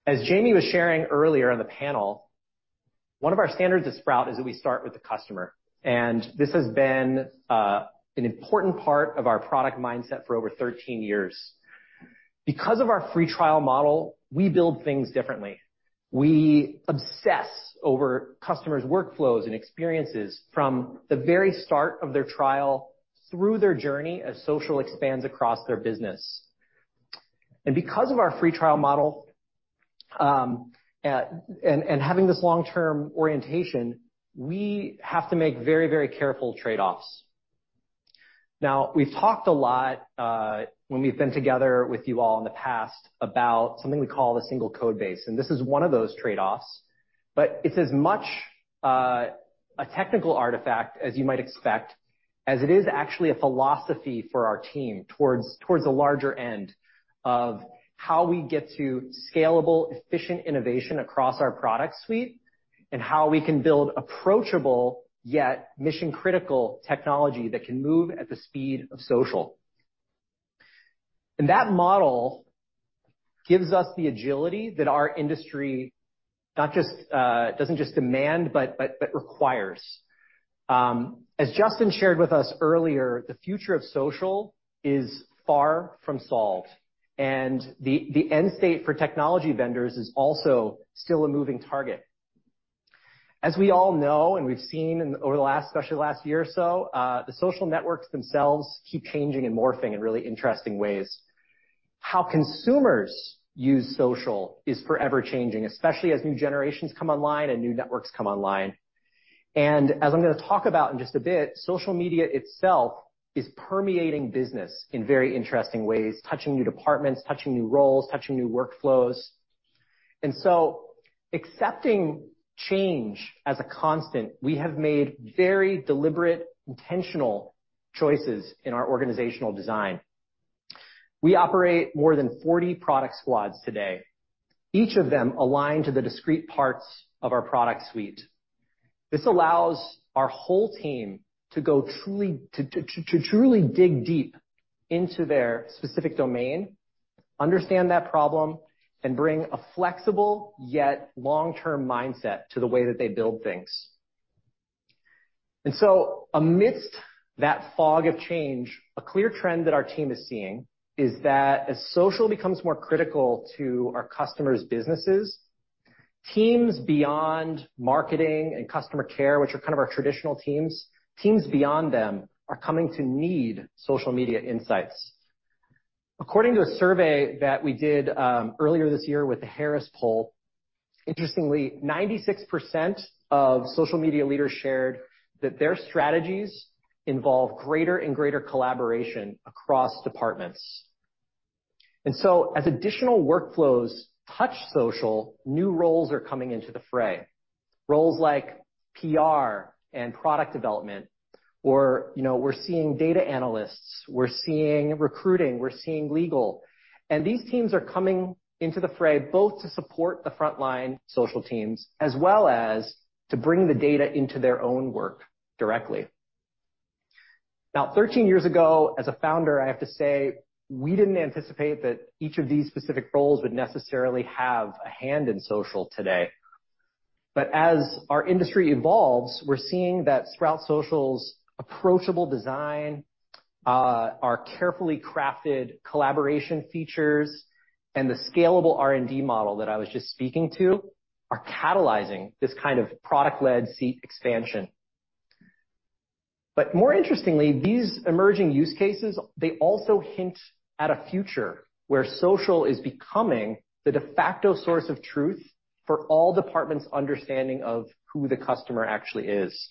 As Jamie was sharing earlier on the panel, one of our standards at Sprout is that we start with the customer, and this has been, an important part of our product mindset for over 13 years. Because of our free trial model, we build things differently. We obsess over customers' workflows and experiences from the very start of their trial through their journey as social expands across their business. Because of our free trial model, and having this long-term orientation, we have to make very, very careful trade-offs. Now, we've talked a lot, when we've been together with you all in the past, about something we call the single code base, and this is one of those trade-offs. But it's as much a technical artifact as you might expect, as it is actually a philosophy for our team towards the larger end of how we get to scalable, efficient innovation across our product suite, and how we can build approachable, yet mission-critical technology that can move at the speed of social. That model gives us the agility that our industry not just doesn't just demand, but requires. As Justyn shared with us earlier, the future of social is far from solved, and the end state for technology vendors is also still a moving target. As we all know, and we've seen in over the last, especially last year or so, the social networks themselves keep changing and morphing in really interesting ways. How consumers use social is forever changing, especially as new generations come online and new networks come online. And as I'm going to talk about in just a bit, social media itself is permeating business in very interesting ways, touching new departments, touching new roles, touching new workflows. And so accepting change as a constant, we have made very deliberate, intentional choices in our organizational design. We operate more than 40 product squads today, each of them aligned to the discrete parts of our product suite. This allows our whole team to go truly to truly dig deep into their specific domain, understand that problem, and bring a flexible, yet long-term mindset to the way that they build things. And so amidst that fog of change, a clear trend that our team is seeing is that as social becomes more critical to our customers' businesses, teams beyond marketing and customer care, which are kind of our traditional teams, teams beyond them are coming to need social media insights. According to a survey that we did earlier this year with the Harris Poll, interestingly, 96% of social media leaders shared that their strategies involve greater and greater collaboration across departments. And so as additional workflows touch social, new roles are coming into the fray. Roles like PR and product development, or, you know, we're seeing data analysts, we're seeing recruiting, we're seeing legal. And these teams are coming into the fray, both to support the frontline social teams, as well as to bring the data into their own work directly. Now, 13 years ago, as a founder, I have to say, we didn't anticipate that each of these specific roles would necessarily have a hand in social today. But as our industry evolves, we're seeing that Sprout Social's approachable design, our carefully crafted collaboration features, and the scalable R&D model that I was just speaking to are catalyzing this kind of product-led seat expansion. But more interestingly, these emerging use cases, they also hint at a future where social is becoming the de facto source of truth for all departments' understanding of who the customer actually is.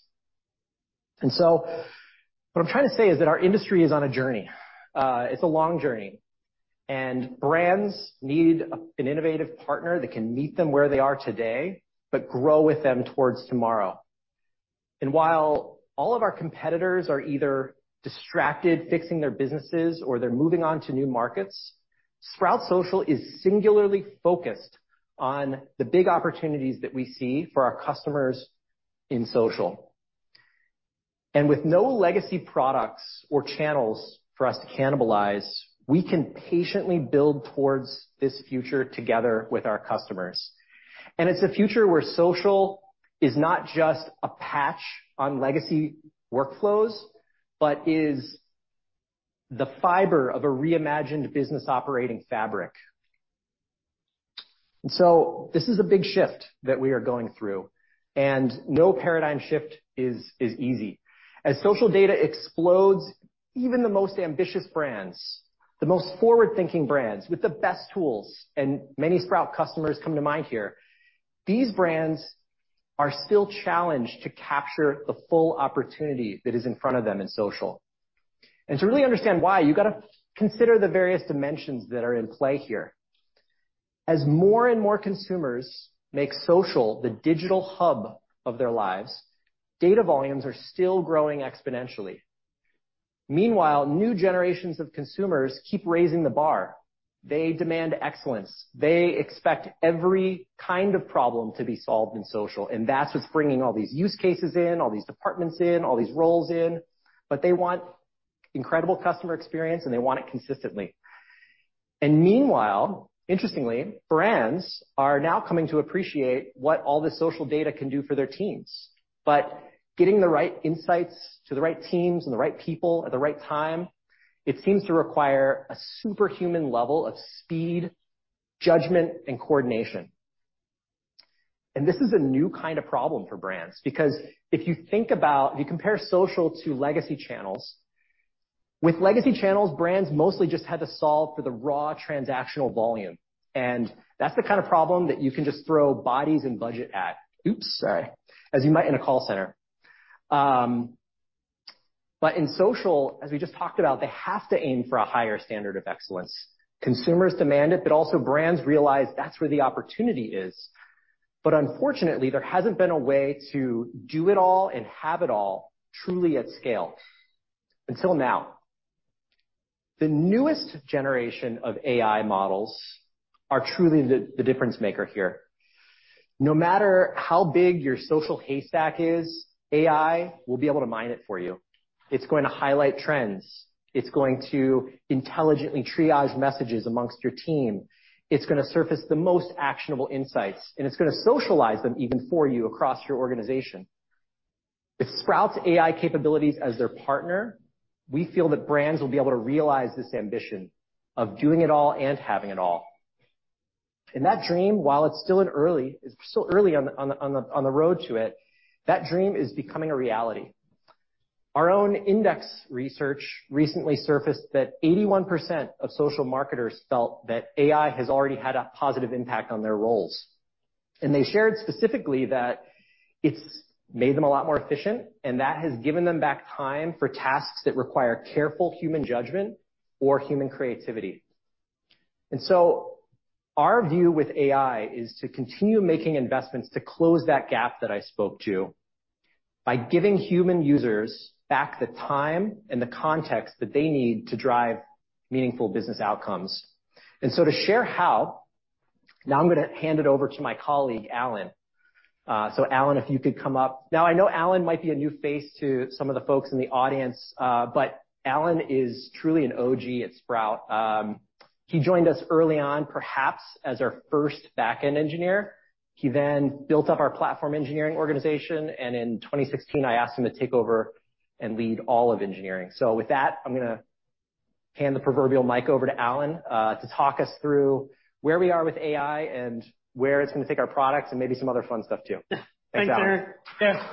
And so what I'm trying to say is that our industry is on a journey. It's a long journey, and brands need an innovative partner that can meet them where they are today, but grow with them towards tomorrow. And while all of our competitors are either distracted, fixing their businesses, or they're moving on to new markets, Sprout Social is singularly focused on the big opportunities that we see for our customers in social. And with no legacy products or channels for us to cannibalize, we can patiently build towards this future together with our customers. And it's a future where social is not just a patch on legacy workflows, but is the fiber of a reimagined business operating fabric. And so this is a big shift that we are going through, and no paradigm shift is easy. As social data explodes, even the most ambitious brands, the most forward-thinking brands with the best tools, and many Sprout customers come to mind here, these brands are still challenged to capture the full opportunity that is in front of them in social. To really understand why, you got to consider the various dimensions that are in play here. As more and more consumers make social the digital hub of their lives, data volumes are still growing exponentially. Meanwhile, new generations of consumers keep raising the bar. They demand excellence. They expect every kind of problem to be solved in social, and that's what's bringing all these use cases in, all these departments in, all these roles in. But they want incredible customer experience, and they want it consistently. Meanwhile, interestingly, brands are now coming to appreciate what all this social data can do for their teams. But getting the right insights to the right teams and the right people at the right time, it seems to require a superhuman level of speed, judgment, and coordination. This is a new kind of problem for brands, because if you think about, if you compare social to legacy channels, with legacy channels, brands mostly just had to solve for the raw transactional volume, and that's the kind of problem that you can just throw bodies and budget at. Oops, sorry. As you might in a call center. But in social, as we just talked about, they have to aim for a higher standard of excellence. Consumers demand it, but also brands realize that's where the opportunity is. But unfortunately, there hasn't been a way to do it all and have it all truly at scale, until now. The newest generation of AI models are truly the difference maker here. No matter how big your social haystack is, AI will be able to mine it for you. It's going to highlight trends, it's going to intelligently triage messages amongst your team. It's going to surface the most actionable insights, and it's going to socialize them even for you across your organization. With Sprout's AI capabilities as their partner, we feel that brands will be able to realize this ambition of doing it all and having it all. And that dream, while it's still in early, it's still early on the road to it, that dream is becoming a reality. Our own index research recently surfaced that 81% of social marketers felt that AI has already had a positive impact on their roles, and they shared specifically that it's made them a lot more efficient, and that has given them back time for tasks that require careful human judgment or human creativity. Our view with AI is to continue making investments to close that gap that I spoke to by giving human users back the time and the context that they need to drive meaningful business outcomes. To share how, now I'm going to hand it over to my colleague, Alan. So Alan, if you could come up. Now, I know Alan might be a new face to some of the folks in the audience, but Alan is truly an OG at Sprout. He joined us early on, perhaps as our first backend engineer. He then built up our platform engineering organization, and in 2016, I asked him to take over and lead all of engineering. With that, I'm going to hand the proverbial mic over to Alan to talk us through where we are with AI and where it's going to take our products, and maybe some other fun stuff too. Thanks, Alan.
Thanks, Aaron. Yeah.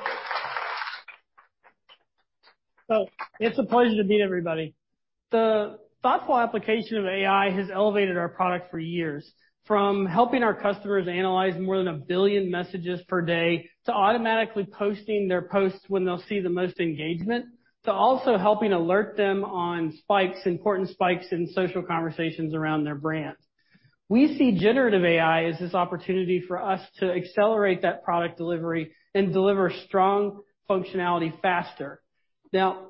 So it's a pleasure to meet everybody. The thoughtful application of AI has elevated our product for years, from helping our customers analyze more than 1 billion messages per day, to automatically posting their posts when they'll see the most engagement, to also helping alert them on spikes, important spikes in social conversations around their brand. We see generative AI as this opportunity for us to accelerate that product delivery and deliver strong functionality faster. Now,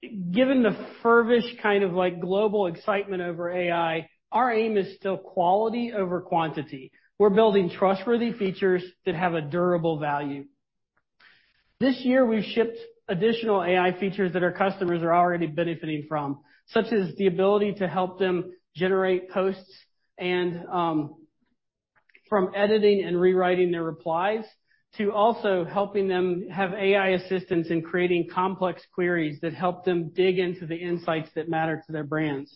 given the feverish, kind of like, global excitement over AI, our aim is still quality over quantity. We're building trustworthy features that have a durable value. This year, we've shipped additional AI features that our customers are already benefiting from, such as the ability to help them generate posts and from editing and rewriting their replies, to also helping them have AI assistance in creating complex queries that help them dig into the insights that matter to their brands.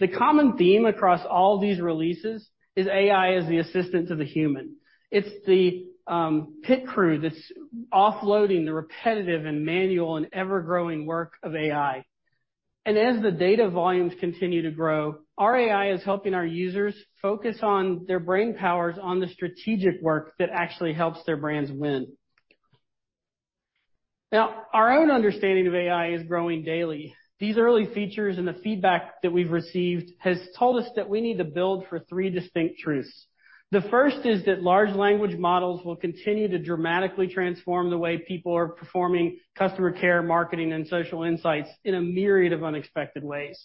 The common theme across all these releases is AI as the assistant to the human. It's the pit crew that's offloading the repetitive and manual and ever-growing work of AI. And as the data volumes continue to grow, our AI is helping our users focus on their brain powers, on the strategic work that actually helps their brands win. Now, our own understanding of AI is growing daily. These early features and the feedback that we've received has told us that we need to build for three distinct truths. The first is that large language models will continue to dramatically transform the way people are performing customer care, marketing, and social insights in a myriad of unexpected ways.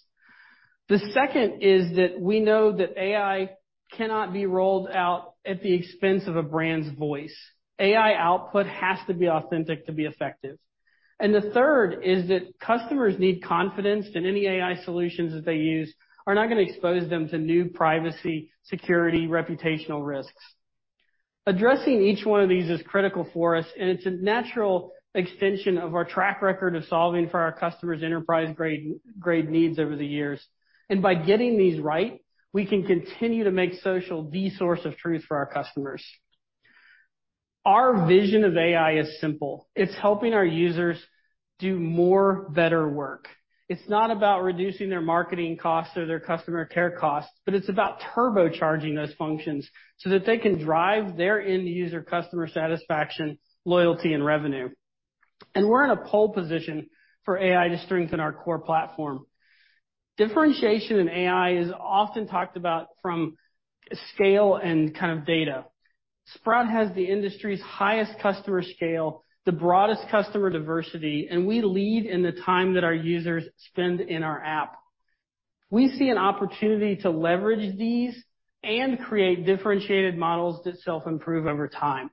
The second is that we know that AI cannot be rolled out at the expense of a brand's voice. AI output has to be authentic to be effective. And the third is that customers need confidence that any AI solutions that they use are not gonna expose them to new privacy, security, reputational risks. Addressing each one of these is critical for us, and it's a natural extension of our track record of solving for our customers' enterprise-grade, grade needs over the years. And by getting these right, we can continue to make social the source of truth for our customers. Our vision of AI is simple: It's helping our users do more better work. It's not about reducing their marketing costs or their customer care costs, but it's about turbocharging those functions so that they can drive their end-user customer satisfaction, loyalty, and revenue. We're in a pole position for AI to strengthen our core platform. Differentiation in AI is often talked about from scale and kind of data. Sprout has the industry's highest customer scale, the broadest customer diversity, and we lead in the time that our users spend in our app. We see an opportunity to leverage these and create differentiated models that self-improve over time.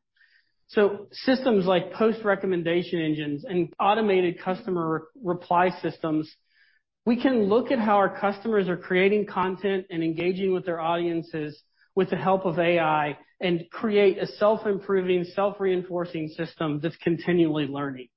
So systems like post recommendation engines and automated customer re-reply systems, we can look at how our customers are creating content and engaging with their audiences with the help of AI, and create a self-improving, self-reinforcing system that's continually learning.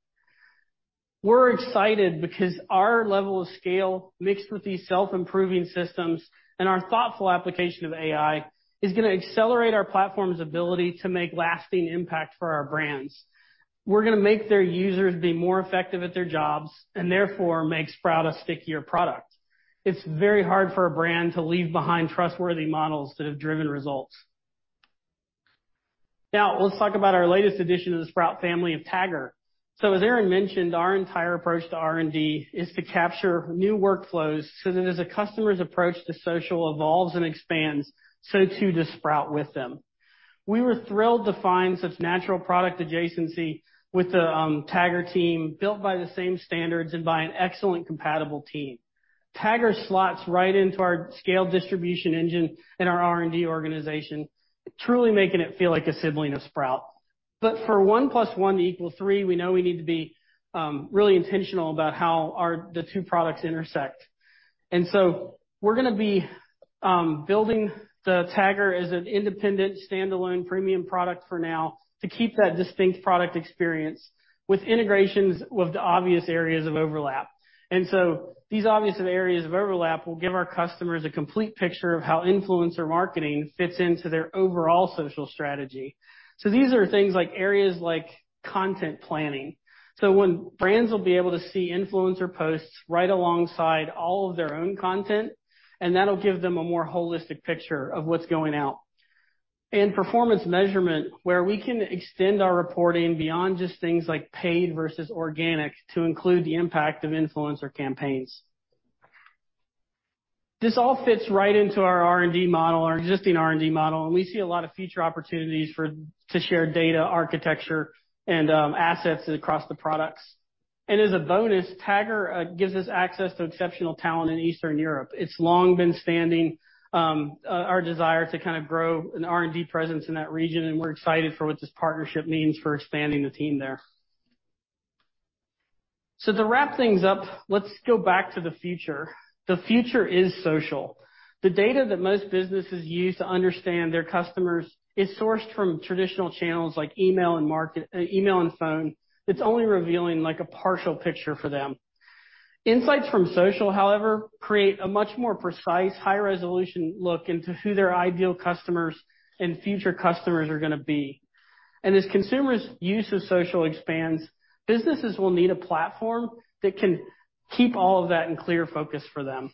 We're excited because our level of scale, mixed with these self-improving systems and our thoughtful application of AI, is gonna accelerate our platform's ability to make lasting impact for our brands. We're gonna make their users be more effective at their jobs and therefore make Sprout a stickier product. It's very hard for a brand to leave behind trustworthy models that have driven results. Now, let's talk about our latest addition to the Sprout family of Tagger. So as Aaron mentioned, our entire approach to R&D is to capture new workflows so that as a customer's approach to social evolves and expands, so too, does Sprout with them. We were thrilled to find such natural product adjacency with the Tagger team, built by the same standards and by an excellent compatible team. Tagger slots right into our scale distribution engine and our R&D organization, truly making it feel like a sibling of Sprout. But for one plus one to equal three, we know we need to be really intentional about how the two products intersect. And so we're gonna be building the Tagger as an independent, standalone premium product for now, to keep that distinct product experience with integrations with the obvious areas of overlap. And so these obvious areas of overlap will give our customers a complete picture of how influencer marketing fits into their overall social strategy. So these are things like areas like content planning. So when brands will be able to see influencer posts right alongside all of their own content, and that'll give them a more holistic picture of what's going out. And performance measurement, where we can extend our reporting beyond just things like paid versus organic, to include the impact of influencer campaigns. This all fits right into our R&D model, our existing R&D model, and we see a lot of future opportunities for to share data, architecture and, assets across the products. And as a bonus, Tagger gives us access to exceptional talent in Eastern Europe. It's long been standing our desire to kind of grow an R&D presence in that region, and we're excited for what this partnership means for expanding the team there. So to wrap things up, let's go back to the future. The future is social. The data that most businesses use to understand their customers is sourced from traditional channels like email and phone. It's only revealing, like, a partial picture for them. Insights from social, however, create a much more precise, high-resolution look into who their ideal customers and future customers are gonna be. And as consumers' use of social expands, businesses will need a platform that can keep all of that in clear focus for them.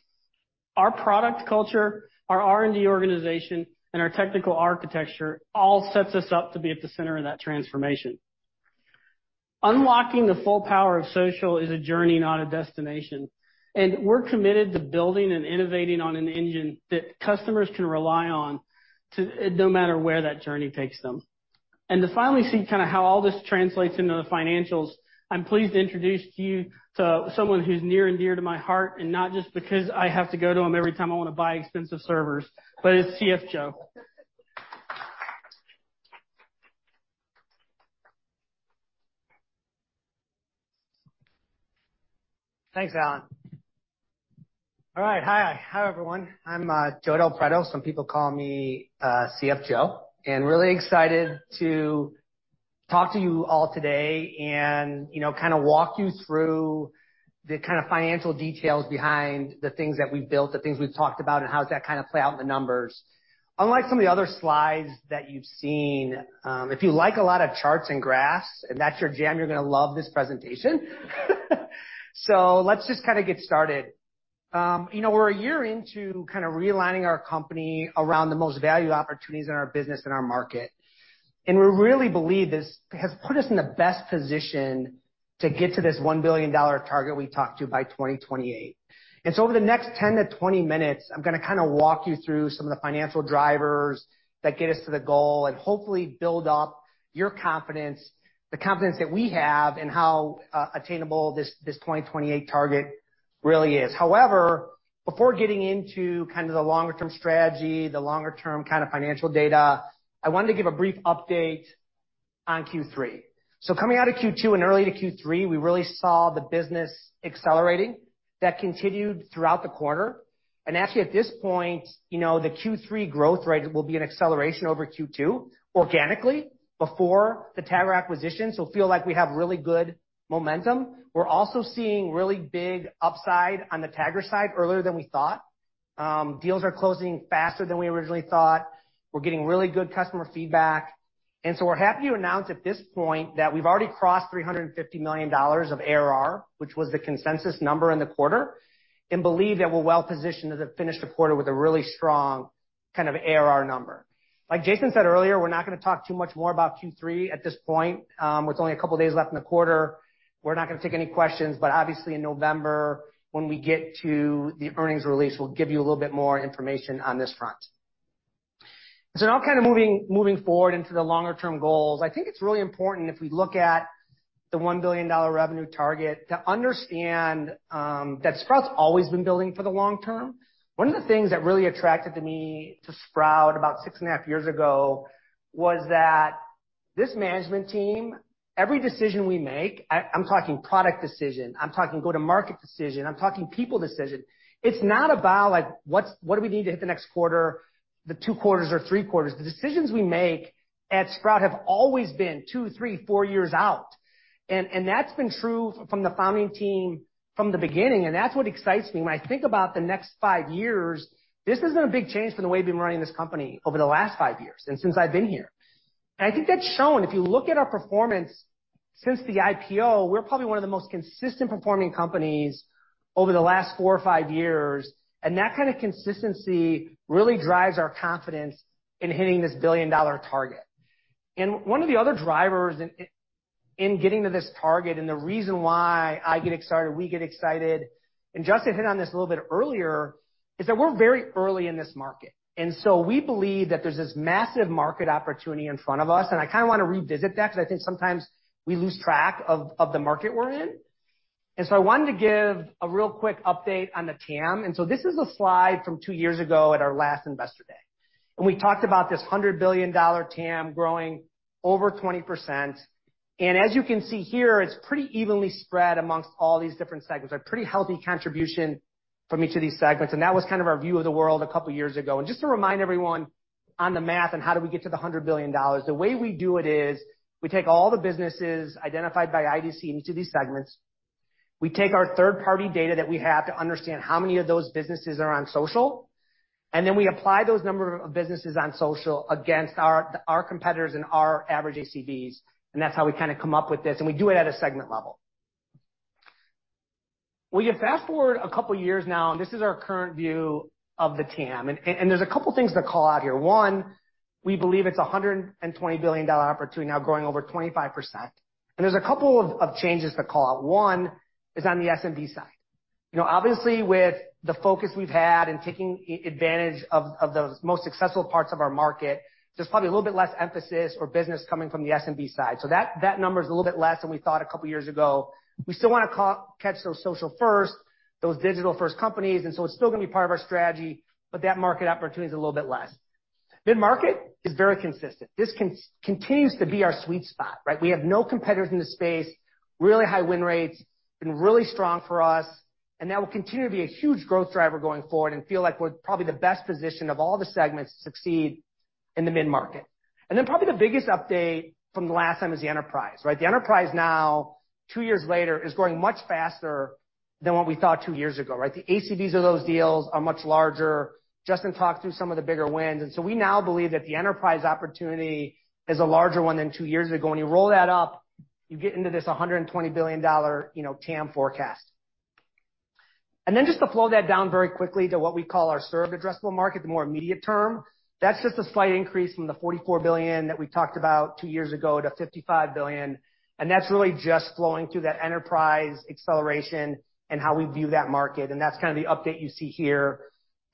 Our product culture, our R&D organization, and our technical architecture all sets us up to be at the center of that transformation. Unlocking the full power of social is a journey, not a destination, and we're committed to building and innovating on an engine that customers can rely on to, no matter where that journey takes them. To finally see kind of how all this translates into the financials, I'm pleased to introduce you to someone who's near and dear to my heart, and not just because I have to go to him every time I want to buy expensive servers, but it's CFO Joe.
Thanks, Alan. All right. Hi. Hi, everyone. I'm Joe Del Preto. Some people call me CFO Joe, and really excited to talk to you all today and, you know, kind of walk you through the kind of financial details behind the things that we've built, the things we've talked about, and how does that kind of play out in the numbers? Unlike some of the other slides that you've seen, if you like a lot of charts and graphs and that's your jam, you're gonna love this presentation. So let's just kind of get started. You know, we're a year into kind of realigning our company around the most value opportunities in our business and our market, and we really believe this has put us in the best position to get to this $1 billion target we talked to by 2028. So over the next 10-20 minutes, I'm gonna kind of walk you through some of the financial drivers that get us to the goal and hopefully build up your confidence, the confidence that we have and how attainable this 2028 target really is. However, before getting into kind of the longer term strategy, the longer term kind of financial data, I wanted to give a brief update on Q3. So coming out of Q2 and early to Q3, we really saw the business accelerating. That continued throughout the quarter, and actually at this point, you know, the Q3 growth rate will be an acceleration over Q2 organically before the Tagger acquisition. So feel like we have really good momentum. We're also seeing really big upside on the Tagger side earlier than we thought. Deals are closing faster than we originally thought. We're getting really good customer feedback, and so we're happy to announce at this point that we've already crossed $350 million of ARR, which was the consensus number in the quarter, and believe that we're well positioned to finish the quarter with a really strong kind of ARR number. Like Jason said earlier, we're not gonna talk too much more about Q3 at this point, with only a couple of days left in the quarter, we're not gonna take any questions, but obviously in November, when we get to the earnings release, we'll give you a little bit more information on this front. So now kind of moving forward into the longer term goals, I think it's really important if we look at the $1 billion revenue target, to understand, that Sprout's always been building for the long term. One of the things that really attracted me to Sprout about 6.5 years ago was that this management team, every decision we make. I'm talking product decision, I'm talking go-to-market decision, I'm talking people decision. It's not about like, what do we need to hit the next quarter, the two quarters or three quarters. The decisions we make at Sprout have always been two, three, four years out, and that's been true from the founding team from the beginning, and that's what excites me. When I think about the next five years, this hasn't been a big change from the way we've been running this company over the last five years and since I've been here. I think that's shown. If you look at our performance since the IPO, we're probably one of the most consistent performing companies over the last four or five years, and that kind of consistency really drives our confidence in hitting this billion-dollar target. And one of the other drivers in getting to this target, and the reason why I get excited, we get excited, and Justyn hit on this a little bit earlier, is that we're very early in this market, and so we believe that there's this massive market opportunity in front of us. And I kind of want to revisit that because I think sometimes we lose track of the market we're in. And so I wanted to give a real quick update on the TAM. This is a slide from two years ago at our last Investor Day, and we talked about this $100 billion TAM growing over 20%. As you can see here, it's pretty evenly spread among all these different segments. A pretty healthy contribution from each of these segments. That was kind of our view of the world a couple of years ago. Just to remind everyone on the math and how do we get to the $100 billion? The way we do it is we take all the businesses identified by IDC in each of these segments. We take our third-party data that we have to understand how many of those businesses are on social, and then we apply those number of businesses on social against our, our competitors and our average ACVs, and that's how we kind of come up with this, and we do it at a segment level. Well, you fast forward a couple of years now, and this is our current view of the TAM, and, and there's a couple of things to call out here. One, we believe it's a $120 billion opportunity, now growing over 25%. And there's a couple of, of changes to call out. One, is on the SMB side. You know, obviously, with the focus we've had in taking advantage of, of those most successful parts of our market, there's probably a little bit less emphasis or business coming from the SMB side. So that, that number is a little bit less than we thought a couple of years ago. We still want to catch those social-first, those digital-first companies, and so it's still going to be part of our strategy, but that market opportunity is a little bit less. Mid-market is very consistent. This continues to be our sweet spot, right? We have no competitors in this space. Really high win rates, been really strong for us, and that will continue to be a huge growth driver going forward and feel like we're probably the best position of all the segments to succeed in the mid-market. And then probably the biggest update from the last time is the enterprise, right? The enterprise now, two years later, is growing much faster than what we thought two years ago, right? The ACVs of those deals are much larger. Justyn talked through some of the bigger wins, and so we now believe that the enterprise opportunity is a larger one than two years ago. When you roll that up, you get into this $120 billion, you know, TAM forecast. And then just to flow that down very quickly to what we call our served addressable market, the more immediate term. That's just a slight increase from the $44 billion that we talked about two years ago to $55 billion, and that's really just flowing through that enterprise acceleration and how we view that market, and that's kind of the update you see here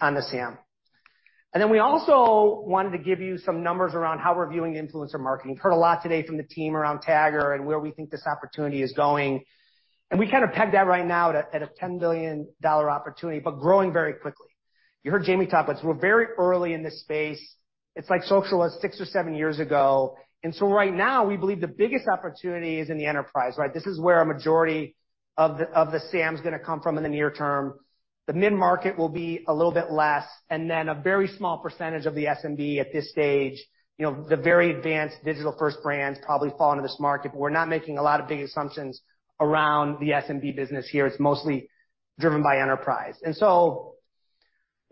on the SAM. And then we also wanted to give you some numbers around how we're viewing influencer marketing. You've heard a lot today from the team around Tagger and where we think this opportunity is going, and we kind of pegged that right now at a $10 billion opportunity, but growing very quickly. You heard Jamie talk about this. We're very early in this space. It's like social was six or seven years ago, and so right now, we believe the biggest opportunity is in the enterprise, right? This is where a majority of the SAM is going to come from in the near term. The mid-market will be a little bit less, and then a very small percentage of the SMB at this stage. You know, the very advanced digital-first brands probably fall into this market, but we're not making a lot of big assumptions around the SMB business here. It's mostly driven by enterprise. And so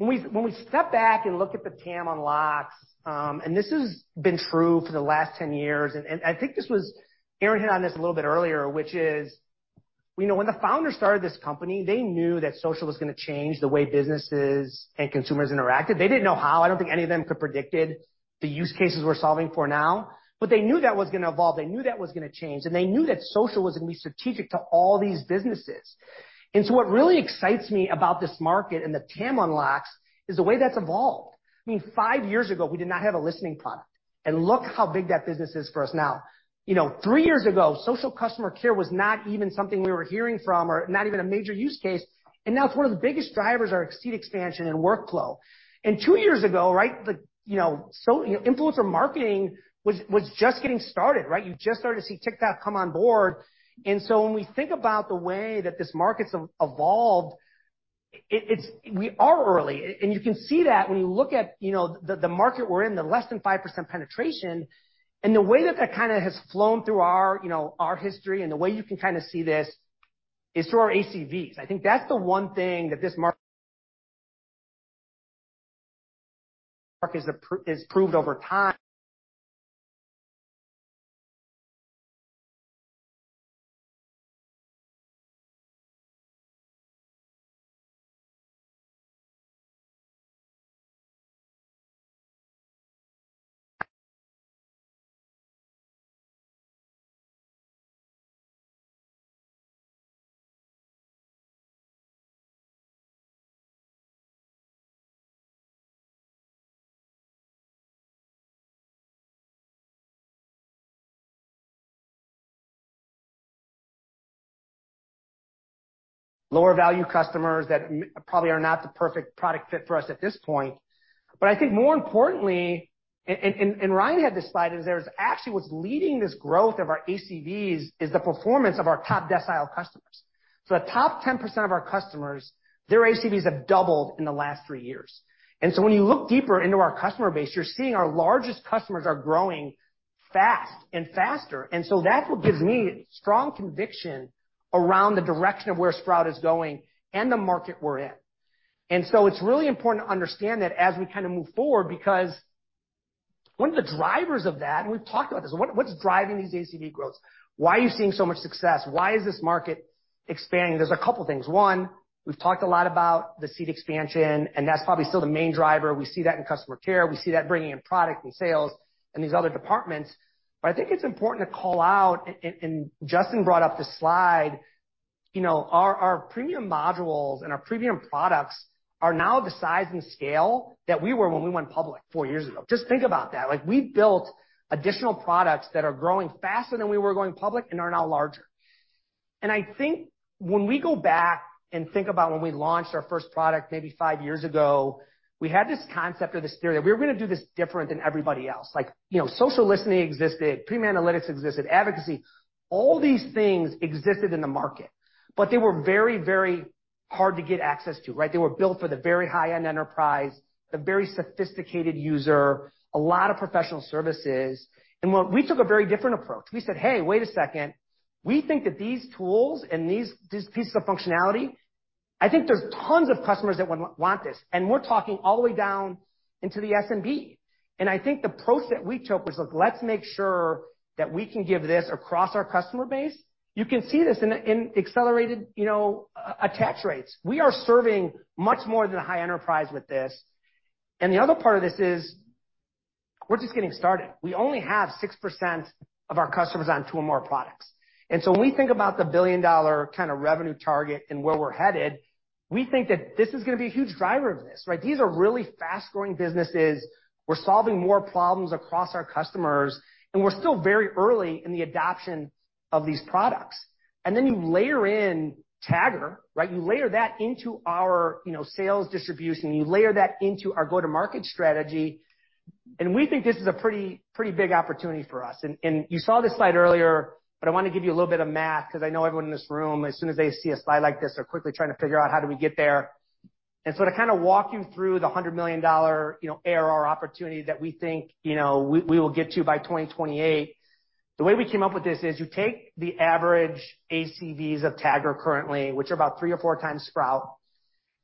when we step back and look at the TAM unlocks, and this has been true for the last 10 years, and I think Aaron hit on this a little bit earlier, which is, we know when the founder started this company, they knew that social was going to change the way businesses and consumers interacted. They didn't know how. I don't think any of them could predicted the use cases we're solving for now, but they knew that was going to evolve, they knew that was going to change, and they knew that social was going to be strategic to all these businesses. And so what really excites me about this market and the TAM unlocks is the way that's evolved. I mean, five years ago, we did not have a listening product, and look how big that business is for us now. You know, three years ago, social customer care was not even something we were hearing from or not even a major use case, and now it's one of the biggest drivers our seat expansion and workflow. And two years ago, right, the, you know, influencer marketing was just getting started, right? You just started to see TikTok come on board. And so when we think about the way that this market's evolved, it's we are early, and you can see that when you look at, you know, the market we're in, less than 5% penetration. And the way that kind of has flown through our, you know, our history and the way you can kind of see this is through our ACVs. I think that's the one thing that this market has proved over time. Lower value customers that probably are not the perfect product fit for us at this point. But I think more importantly, and Ryan had this slide, is there's actually what's leading this growth of our ACVs is the performance of our top decile customers. So the top 10% of our customers, their ACVs have doubled in the last three years. And so when you look deeper into our customer base, you're seeing our largest customers are growing fast and faster. And so that's what gives me strong conviction around the direction of where Sprout is going and the market we're in. So it's really important to understand that as we kind of move forward, because one of the drivers of that, and we've talked about this, what, what's driving these ACV growths? Why are you seeing so much success? Why is this market expanding? There's a couple things. One, we've talked a lot about the seat expansion, and that's probably still the main driver. We see that in customer care. We see that bringing in product and sales and these other departments. But I think it's important to call out, and, and Justyn brought up this slide, you know, our, our premium modules and our premium products are now the size and scale that we were when we went public 4 years ago. Just think about that. Like, we've built additional products that are growing faster than we were going public and are now larger. I think when we go back and think about when we launched our first product, maybe five years ago, we had this concept or this theory that we were going to do this different than everybody else. Like, you know, social listening existed, Premium Analytics existed, advocacy, all these things existed in the market, but they were very, very hard to get access to, right? They were built for the very high-end enterprise, the very sophisticated user, a lot of professional services. We took a very different approach. We said: Hey, wait a second. We think that these tools and these, these pieces of functionality, I think there's tons of customers that would want this, and we're talking all the way down into the SMB. And I think the approach that we took was, look, let's make sure that we can give this across our customer base. You can see this in accelerated, you know, attach rates. We are serving much more than a high enterprise with this. And the other part of this is we're just getting started. We only have 6% of our customers on two or more products. And so when we think about the billion-dollar kind of revenue target and where we're headed, we think that this is going to be a huge driver of this, right? These are really fast-growing businesses. We're solving more problems across our customers, and we're still very early in the adoption of these products. And then you layer in Tagger, right? You layer that into our, you know, sales distribution, you layer that into our go-to-market strategy, and we think this is a pretty, pretty big opportunity for us. and you saw this slide earlier, but I want to give you a little bit of math because I know everyone in this room, as soon as they see a slide like this, are quickly trying to figure out how do we get there. And so to kind of walk you through the $100 million, you know, ARR opportunity that we think, you know, we will get to by 2028. The way we came up with this is you take the average ACVs of Tagger currently, which are about 3 or 4 times Sprout,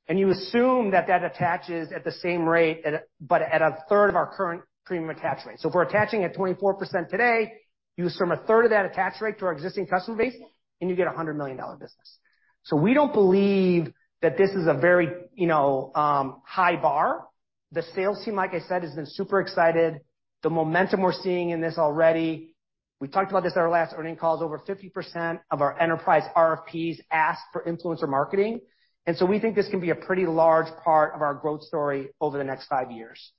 and you assume that that attaches at the same rate, but at a third of our current premium attach rate. So if we're attaching at 24% today, you assume a third of that attach rate to our existing customer base, and you get a $100 million business. So we don't believe that this is a very, you know, high bar. The sales team, like I said, has been super excited. The momentum we're seeing in this already, we talked about this at our last earnings calls. Over 50% of our enterprise RFPs ask for influencer marketing, and so we think this can be a pretty large part of our growth story over the next five years.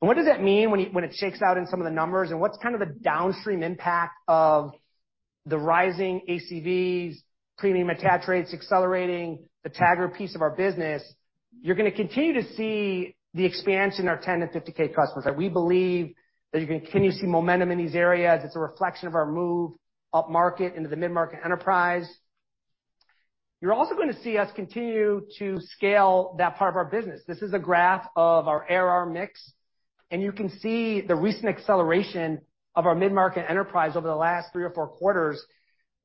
And what does that mean when it shakes out in some of the numbers, and what's kind of the downstream impact of the rising ACVs, premium attach rates accelerating, the Tagger piece of our business? You're gonna continue to see the expansion in our 10 and 50K customers, and we believe that you're gonna continue to see momentum in these areas. It's a reflection of our move upmarket into the mid-market enterprise. You're also going to see us continue to scale that part of our business. This is a graph of our ARR mix, and you can see the recent acceleration of our mid-market enterprise over the last three or four quarters,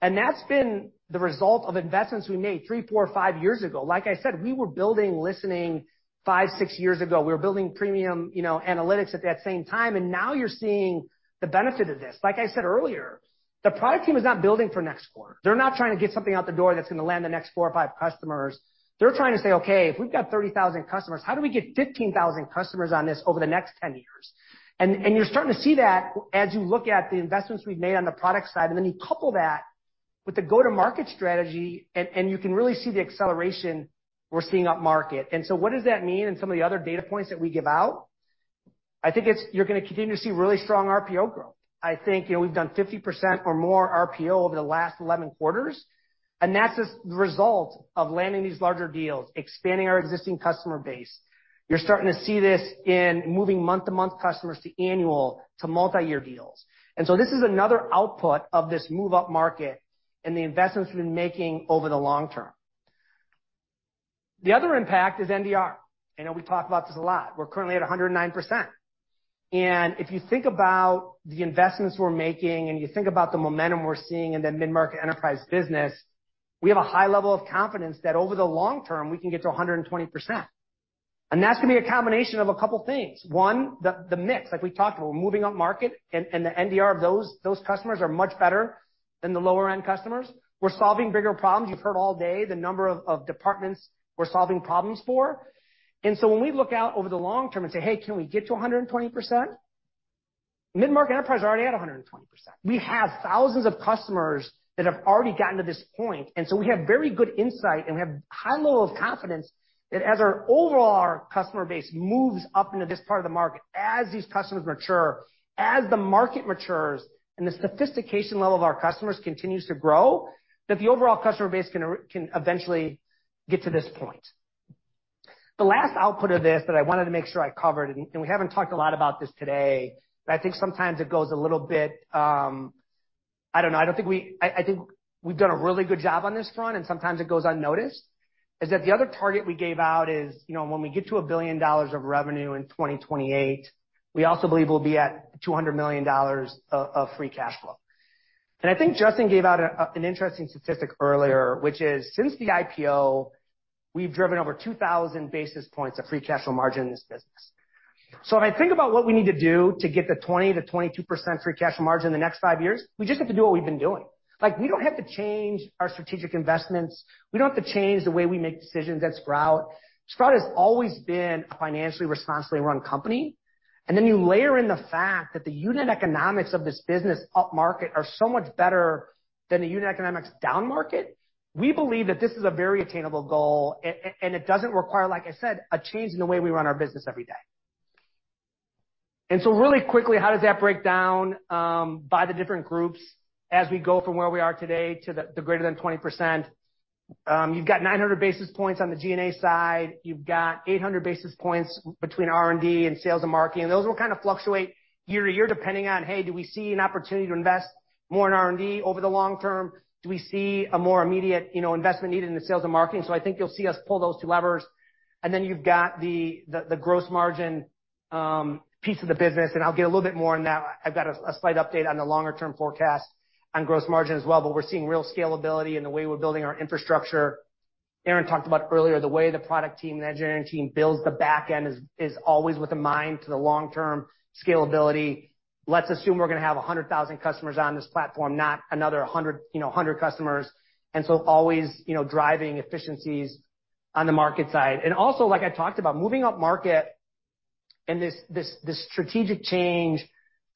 and that's been the result of investments we made three, four, or five years ago. Like I said, we were building listening five, six years ago. We were building premium, you know, analytics at that same time, and now you're seeing the benefit of this. Like I said earlier, the product team is not building for next quarter. They're not trying to get something out the door that's gonna land the next four or five customers. They're trying to say, "Okay, if we've got 30,000 customers, how do we get 15,000 customers on this over the next 10 years?" And, and you're starting to see that as you look at the investments we've made on the product side, and then you couple that with the go-to-market strategy, and, and you can really see the acceleration we're seeing upmarket. And so what does that mean in some of the other data points that we give out? I think it's you're gonna continue to see really strong RPO growth. I think, you know, we've done 50% or more RPO over the last 11 quarters, and that's the result of landing these larger deals, expanding our existing customer base. You're starting to see this in moving month-to-month customers to annual to multiyear deals. And so this is another output of this move upmarket and the investments we've been making over the long term. The other impact is NDR. I know we talk about this a lot. We're currently at 109%, and if you think about the investments we're making, and you think about the momentum we're seeing in the mid-market enterprise business, we have a high level of confidence that over the long term, we can get to 120%. And that's gonna be a combination of a couple things. One the mix, like we talked about, we're moving upmarket, and, and the NDR of those, those customers are much better than the lower-end customers. We're solving bigger problems. You've heard all day the number of, of departments we're solving problems for. And so when we look out over the long term and say, "Hey, can we get to 120%?" Mid-market enterprise is already at 120%. We have thousands of customers that have already gotten to this point, and so we have very good insight, and we have a high level of confidence that as our overall customer base moves up into this part of the market, as these customers mature, as the market matures, and the sophistication level of our customers continues to grow, that the overall customer base can eventually get to this point. The last output of this that I wanted to make sure I covered, and we haven't talked a lot about this today, but I think sometimes it goes a little bit. I don't know, I don't think we I think we've done a really good job on this front, and sometimes it goes unnoticed, is that the other target we gave out is, you know, when we get to $1 billion of revenue in 2028, we also believe we'll be at $200 million of free cash flow. And I think Justyn gave out an interesting statistic earlier, which is, since the IPO, we've driven over 2,000 basis points of free cash flow margin in this business. So if I think about what we need to do to get to 20%-22% free cash margin in the next five years, we just have to do what we've been doing. Like, we don't have to change our strategic investments. We don't have to change the way we make decisions at Sprout. Sprout has always been a financially responsible run company, and then you layer in the fact that the unit economics of this business upmarket are so much better than the unit economics downmarket. We believe that this is a very attainable goal, and it doesn't require, like I said, a change in the way we run our business every day. And so really quickly, how does that break down by the different groups as we go from where we are today to the greater than 20%? You've got 900 basis points on the G&A side. You've got 800 basis points between R&D and sales and marketing, and those will kind of fluctuate year to year, depending on, Hey, do we see an opportunity to invest more in R&D over the long term? Do we see a more immediate, you know, investment needed in the sales and marketing? So I think you'll see us pull those two levers, and then you've got the gross margin piece of the business, and I'll get a little bit more on that. I've got a slight update on the longer-term forecast on gross margin as well, but we're seeing real scalability in the way we're building our infrastructure. Aaron talked about earlier, the way the product team, the engineering team builds the back end is always with a mind to the long-term scalability. Let's assume we're gonna have 100,000 customers on this platform, not another 100, you know, 100 customers, and so always, you know, driving efficiencies on the market side. And also, like I talked about, moving upmarket and this strategic change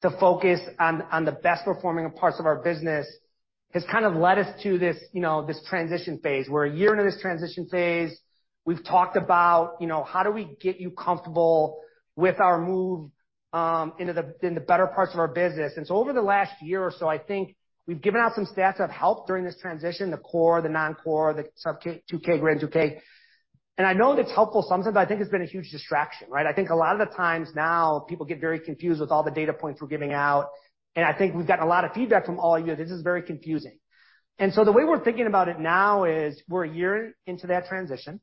to focus on the best-performing parts of our business has kind of led us to this, you know, this transition phase. We're a year into this transition phase. We've talked about, you know, how do we get you comfortable with our move into the better parts of our business? And so over the last year or so, I think we've given out some stats that have helped during this transition, the core, the non-core, the sub K, 2K, greater than 2K. And I know that's helpful sometimes, but I think it's been a huge distraction, right? I think a lot of the times now, people get very confused with all the data points we're giving out, and I think we've gotten a lot of feedback from all of you. This is very confusing. So the way we're thinking about it now is, we're a year into that transition.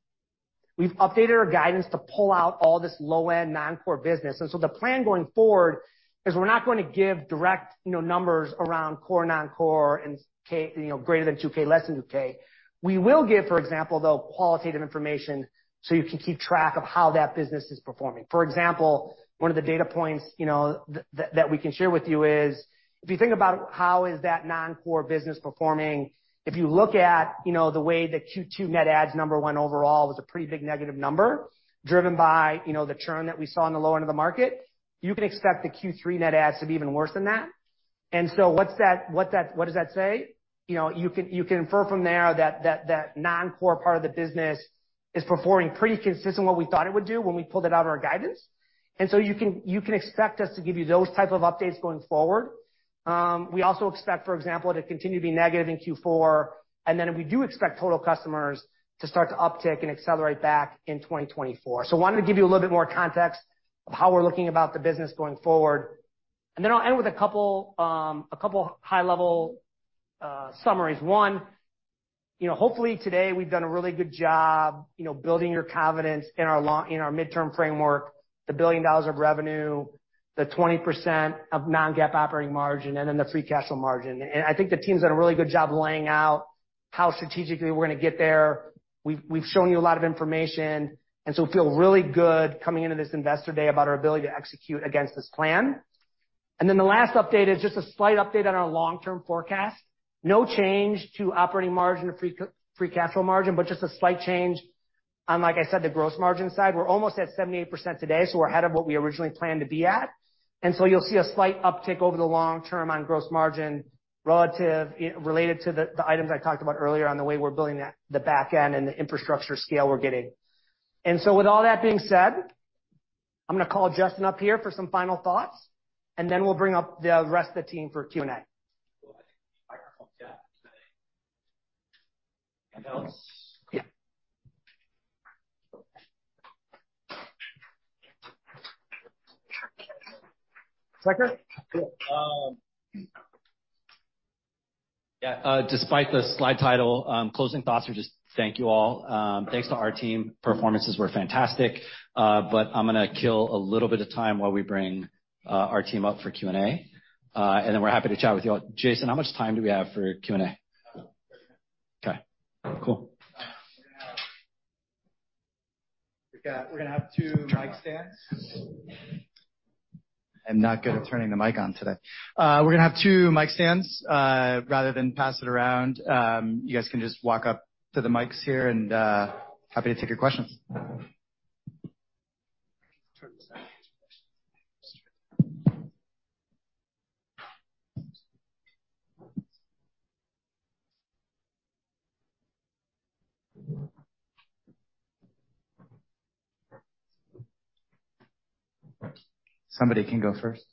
We've updated our guidance to pull out all this low-end, non-core business. So the plan going forward is we're not going to give direct, you know, numbers around core, non-core, and K, you know, greater than 2K, less than 2K. We will give, for example, though, qualitative information, so you can keep track of how that business is performing. For example, one of the data points, you know, that we can share with you is, if you think about how that non-core business is performing, if you look at, you know, the way the Q2 net adds number one overall was a pretty big negative number, driven by, you know, the churn that we saw in the lower end of the market, you can expect the Q3 net adds to be even worse than that. And so what does that say? You know, you can infer from there that that non-core part of the business is performing pretty consistent with what we thought it would do when we pulled it out of our guidance.
And so you can, you can expect us to give you those type of updates going forward. We also expect, for example, to continue to be negative in Q4, and then we do expect total customers to start to uptick and accelerate back in 2024. So I wanted to give you a little bit more context of how we're looking about the business going forward, and then I'll end with a couple, a couple high-level summaries. One, you know, hopefully, today we've done a really good job, you know, building your confidence in our midterm framework, the $1 billion of revenue, the 20% non-GAAP operating margin, and then the free cash flow margin. And I think the team's done a really good job laying out how strategically we're going to get there. We've shown you a lot of information, and so we feel really good coming into this investor day about our ability to execute against this plan. Then the last update is just a slight update on our long-term forecast. No change to operating margin or free cash flow margin, but just a slight change on, like I said, the gross margin side. We're almost at 78% today, so we're ahead of what we originally planned to be at. So you'll see a slight uptick over the long term on gross margin, relative, related to the items I talked about earlier on the way we're building the back end and the infrastructure scale we're getting. And so with all that being said, I'm going to call Justyn up here for some final thoughts, and then we'll bring up the rest of the team for Q&A.
Yeah. Anything else?
Yeah. Is that good?
Cool. Yeah, despite the slide title, closing thoughts are just thank you all. Thanks to our team, performances were fantastic. But I'm gonna kill a little bit of time while we bring our team up for Q&A, and then we're happy to chat with you all. Jason, how much time do we have for Q&A?
30 minutes.
Okay, cool.
We're gonna have two mic stands.
I'm not good at turning the mic on today. We're gonna have two mic stands. Rather than pass it around, you guys can just walk up to the mics here and happy to take your questions.
Turn this on.
Somebody can go first.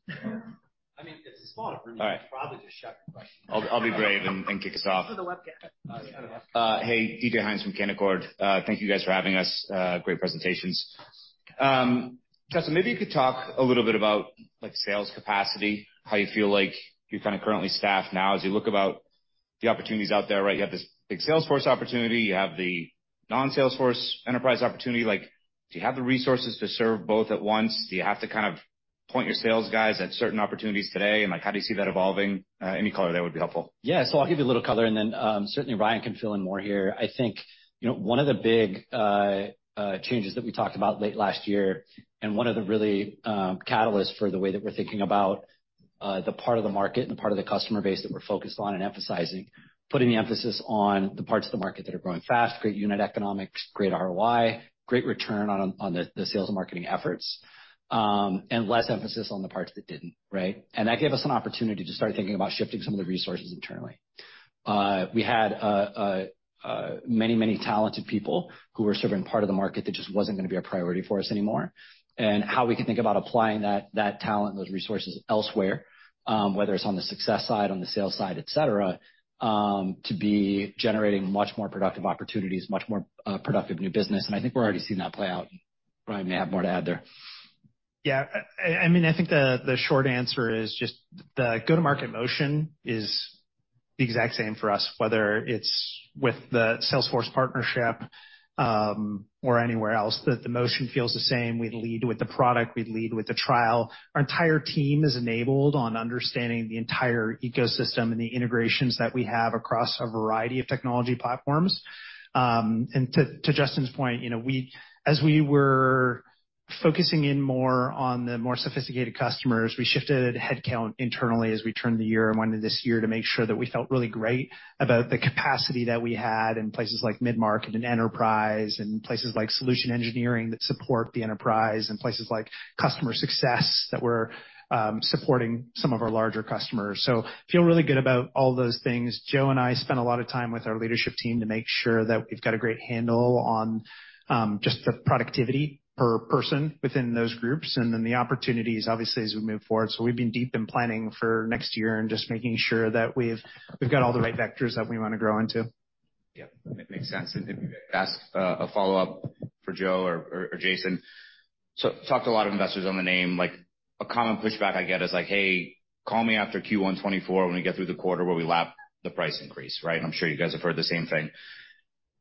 I mean, it's a small room.
All right.
You can probably just shout your question.
I'll be brave and kick us off.
Through the webcam.
Hey, DJ Hynes from Canaccord. Thank you guys for having us. Great presentations. Justyn, maybe you could talk a little bit about, like, sales capacity, how you feel like you're kinda currently staffed now as you look about the opportunities out there, right? You have this big Salesforce opportunity, you have the non-Salesforce enterprise opportunity. Like, do you have the resources to serve both at once? Do you have to kind of point your sales guys at certain opportunities today, and, like, how do you see that evolving? Any color there would be helpful.
Yeah. So I'll give you a little color, and then certainly Ryan can fill in more here. I think, you know, one of the big changes that we talked about late last year and one of the really catalysts for the way that we're thinking about the part of the market and the part of the customer base that we're focused on and emphasizing, putting the emphasis on the parts of the market that are growing fast, great unit economics, great ROI, great return on the sales and marketing efforts, and less emphasis on the parts that didn't, right? And that gave us an opportunity to start thinking about shifting some of the resources internally. We had many talented people who were serving part of the market that just wasn't gonna be a priority for us anymore, and how we can think about applying that talent and those resources elsewhere, whether it's on the success side, on the sales side, et cetera, to be generating much more productive opportunities, much more productive new business. And I think we're already seeing that play out. Ryan may have more to add there.
Yeah. I mean, I think the short answer is just the go-to-market motion is the exact same for us, whether it's with the Salesforce partnership, or anywhere else, that the motion feels the same. We lead with the product, we lead with the trial. Our entire team is enabled on understanding the entire ecosystem and the integrations that we have across a variety of technology platforms. And to Justyn's point, you know, as we were focusing in more on the more sophisticated customers, we shifted headcount internally as we turned the year and went into this year to make sure that we felt really great about the capacity that we had in places like mid-market and enterprise, and places like solution engineering that support the enterprise, and places like customer success, that we're supporting some of our larger customers. Feel really good about all those things. Joe and I spent a lot of time with our leadership team to make sure that we've got a great handle on just the productivity per person within those groups, and then the opportunities, obviously, as we move forward. We've been deep in planning for next year and just making sure that we've got all the right vectors that we want to grow into.
Yeah, it makes sense. And then maybe ask a follow-up for Joe or Jason. So talked to a lot of investors on the name, like, a common pushback I get is like: "Hey, call me after Q1 2024 when we get through the quarter where we lap the price increase," right? I'm sure you guys have heard the same thing.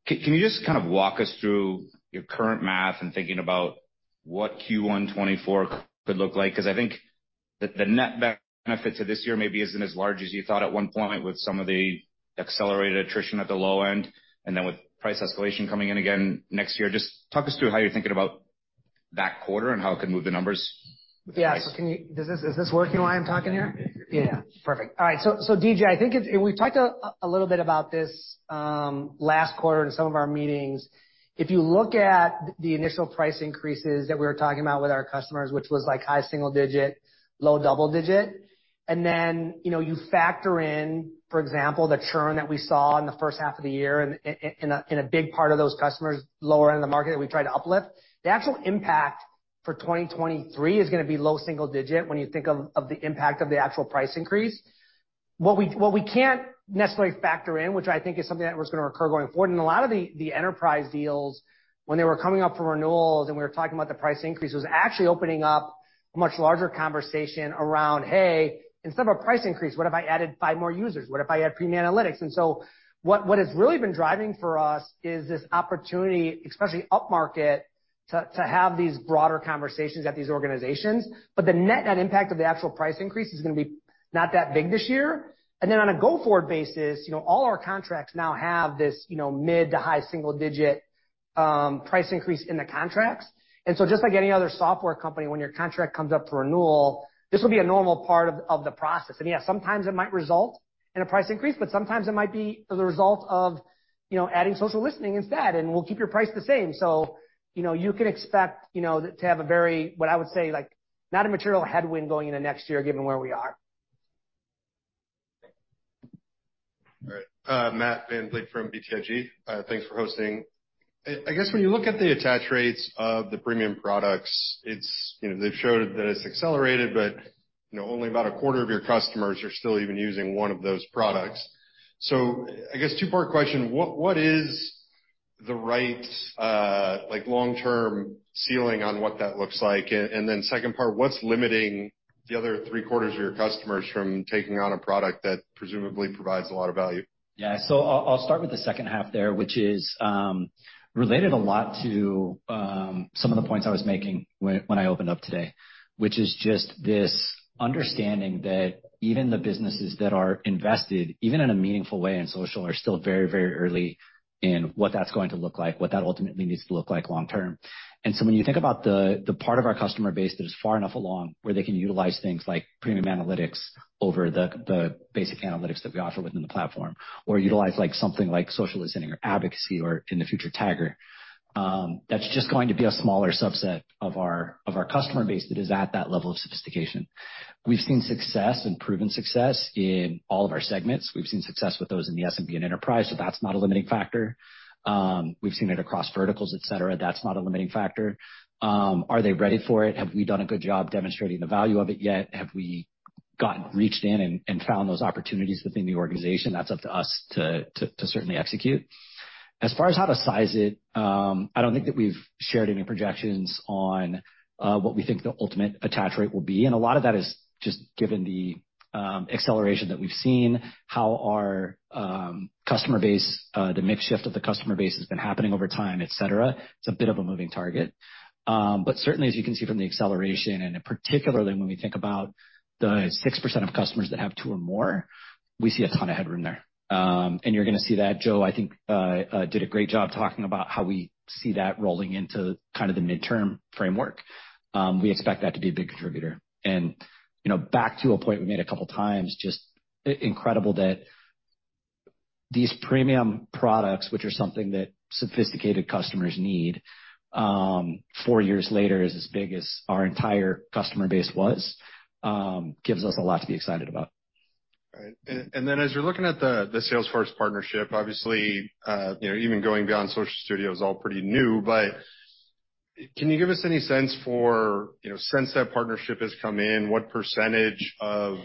Can you just kind of walk us through your current math and thinking about what Q1 2024 could look like? 'Cause I think that the net benefit to this year maybe isn't as large as you thought at one point, with some of the accelerated attrition at the low end, and then with price escalation coming in again next year. Just talk us through how you're thinking about that quarter and how it could move the numbers.
Yeah. So can you is this, is this working while I'm talking here?
Yeah.
Perfect. All right. So, DJ, I think it's and we've talked a little bit about this last quarter in some of our meetings. If you look at the initial price increases that we were talking about with our customers, which was, like, high single digit, low double digit, and then, you know, you factor in, for example, the churn that we saw in the first half of the year in a big part of those customers lower end of the market that we tried to uplift The actual impact for 2023 is gonna be low single digit when you think of the impact of the actual price increase. What we can't necessarily factor in, which I think is something that was going to occur going forward, and a lot of the enterprise deals when they were coming up for renewals and we were talking about the price increase, was actually opening up a much larger conversation around, hey, instead of a price increase, what if I added five more users? What if I add Premium Analytics? And so, what, what has really been driving for us is this opportunity, especially upmarket, to have these broader conversations at these organizations. But the net net impact of the actual price increase is going to be not that big this year. And then, on a go-forward basis, you know, all our contracts now have this, you know, mid- to high-single-digit price increase in the contracts. And so, just like any other software company, when your contract comes up for renewal, this will be a normal part of the process. And, yeah, sometimes it might result in a price increase, but sometimes it might be as a result of, you know, adding social listening instead, and we'll keep your price the same. So, you know, you can expect, you know, to have a very, what I would say, like, not a material headwind going into next year, given where we are.
All right. Matt VanVliet from BTIG. Thanks for hosting. I guess when you look at the attach rates of the premium products, it's, you know, they've showed that it's accelerated, but, you know, only about a quarter of your customers are still even using one of those products. So I guess two-part question: What, what is the right, like, long-term ceiling on what that looks like? And then second part, what's limiting the other three-quarters of your customers from taking on a product that presumably provides a lot of value?
Yeah. So I'll start with the second half there, which is related a lot to some of the points I was making when I opened up today, which is just this understanding that even the businesses that are invested, even in a meaningful way in social, are still very, very early in what that's going to look like, what that ultimately needs to look like long term. So when you think about the part of our customer base that is far enough along where they can utilize things like Premium Analytics over the basic analytics that we offer within the platform, or utilize, like, something like social listening or advocacy or in the future Tagger, that's just going to be a smaller subset of our customer base that is at that level of sophistication. We've seen success and proven success in all of our segments. We've seen success with those in the SMB and enterprise, so that's not a limiting factor. We've seen it across verticals, et cetera. That's not a limiting factor. Are they ready for it? Have we done a good job demonstrating the value of it yet? Have we gotten reached in and found those opportunities within the organization? That's up to us to certainly execute. As far as how to size it, I don't think that we've shared any projections on what we think the ultimate attach rate will be, and a lot of that is just given the acceleration that we've seen, how our customer base, the mix shift of the customer base has been happening over time, et cetera. It's a bit of a moving target. But certainly, as you can see from the acceleration, and particularly when we think about the 6% of customers that have two or more, we see a ton of headroom there. And you're going to see that. Joe, I think, did a great job talking about how we see that rolling into kind of the midterm framework. We expect that to be a big contributor. And, you know, back to a point we made a couple of times, just incredible that these premium products, which are something that sophisticated customers need, four years later, is as big as our entire customer base was, gives us a lot to be excited about.
All right. Then as you're looking at the Salesforce partnership, obviously, you know, even going beyond Social Studio is all pretty new, but can you give us any sense for, you know, since that partnership has come in, what percentage of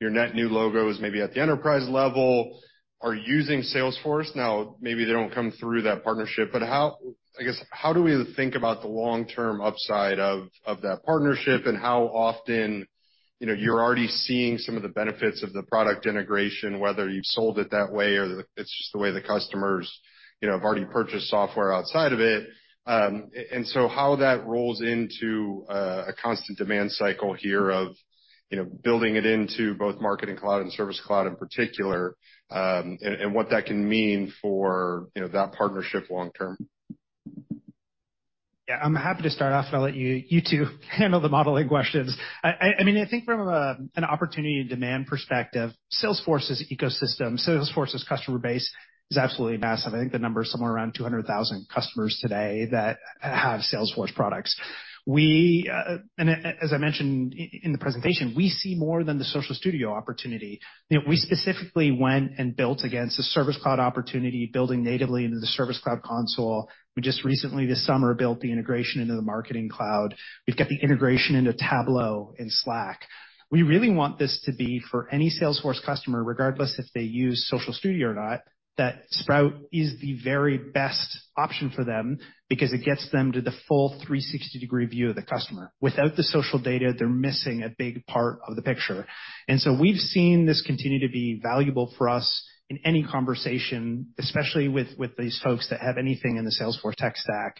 your net new logos, maybe at the enterprise level, are using Salesforce? Now, maybe they don't come through that partnership, but, I guess, how do we think about the long-term upside of that partnership, and how often, you know, you're already seeing some of the benefits of the product integration, whether you've sold it that way or it's just the way the customers, you know, have already purchased software outside of it. And so how that rolls into a constant demand cycle here of, you know, building it into both Marketing Cloud and Service Cloud in particular, and what that can mean for, you know, that partnership long term?
Yeah, I'm happy to start off, and I'll let you two handle the modeling questions. I mean, I think from an opportunity and demand perspective, Salesforce's ecosystem, Salesforce's customer base is absolutely massive. I think the number is somewhere around 200,000 customers today that have Salesforce products. And as I mentioned in the presentation, we see more than the Social Studio opportunity. You know, we specifically went and built against the Service Cloud opportunity, building natively into the Service Cloud console. We just recently, this summer, built the integration into the Marketing Cloud. We've got the integration into Tableau and Slack. We really want this to be for any Salesforce customer, regardless if they use Social Studio or not, that Sprout is the very best option for them because it gets them to the full 360-degree view of the customer. Without the social data, they're missing a big part of the picture. And so we've seen this continue to be valuable for us in any conversation, especially with these folks that have anything in the Salesforce tech stack.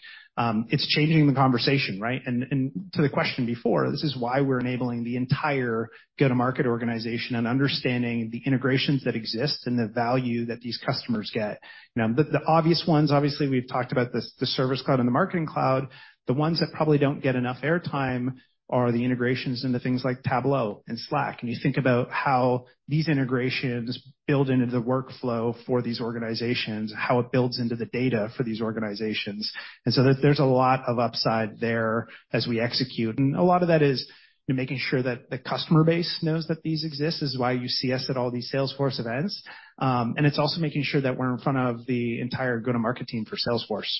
It's changing the conversation, right? And to the question before, this is why we're enabling the entire go-to-market organization and understanding the integrations that exist and the value that these customers get. Now, the obvious ones, obviously, we've talked about the Service Cloud and the Marketing Cloud. The ones that probably don't get enough airtime are the integrations into things like Tableau and Slack, and you think about how these integrations build into the workflow for these organizations, how it builds into the data for these organizations. And so there's a lot of upside there as we execute. A lot of that is making sure that the customer base knows that these exist. This is why you see us at all these Salesforce events, and it's also making sure that we're in front of the entire go-to-market team for Salesforce.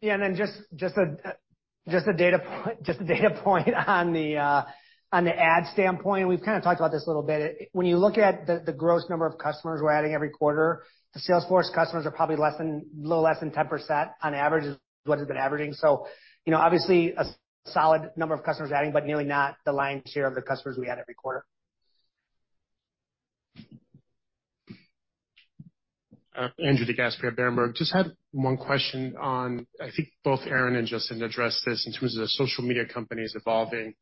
Yeah, and then just a data point on the ad standpoint. We've kind of talked about this a little bit. When you look at the gross number of customers we're adding every quarter, the Salesforce customers are probably less than, a little less than 10% on average, is what has been averaging. So, you know, obviously, a solid number of customers adding, but nearly not the lion's share of the customers we add every quarter.
Andrew DeGasperi, at Berenberg. Just had one question on, I think both Aaron and Justyn addressed this in terms of the social media companies evolving.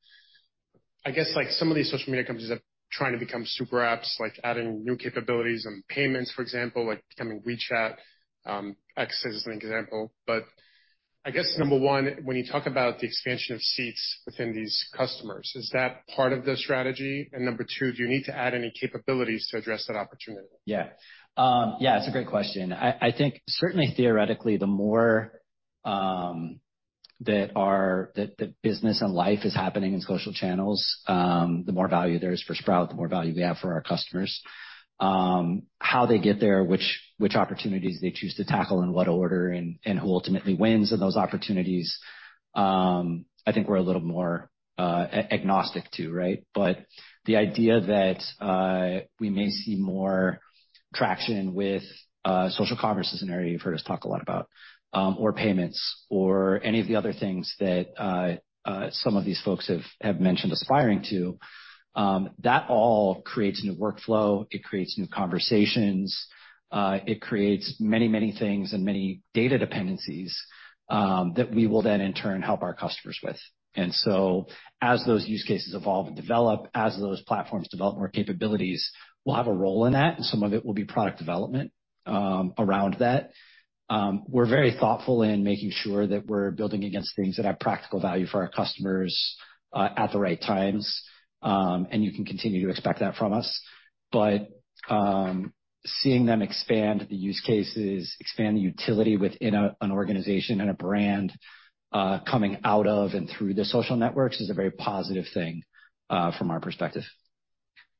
I guess, like, some of these social media companies are trying to become super apps, like adding new capabilities and payments, for example, like becoming WeChat, X, as an example. But I guess, number one, when you talk about the expansion of seats within these customers, is that part of the strategy? And number two, do you need to add any capabilities to address that opportunity?
Yeah. Yeah, it's a great question. I think certainly theoretically, the more that business and life is happening in social channels, the more value there is for Sprout, the more value we have for our customers. How they get there, which opportunities they choose to tackle, in what order, and who ultimately wins in those opportunities, I think we're a little more agnostic to, right? But the idea that we may see more traction with social commerce is an area you've heard us talk a lot about, or payments, or any of the other things that some of these folks have mentioned aspiring to. That all creates new workflow, it creates new conversations, it creates many, many things and many data dependencies, that we will then, in turn, help our customers with. And so as those use cases evolve and develop, as those platforms develop more capabilities, we'll have a role in that, and some of it will be product development, around that. We're very thoughtful in making sure that we're building against things that have practical value for our customers, at the right times, and you can continue to expect that from us. But, seeing them expand the use cases, expand the utility within an organization and a brand, coming out of and through the social networks is a very positive thing, from our perspective.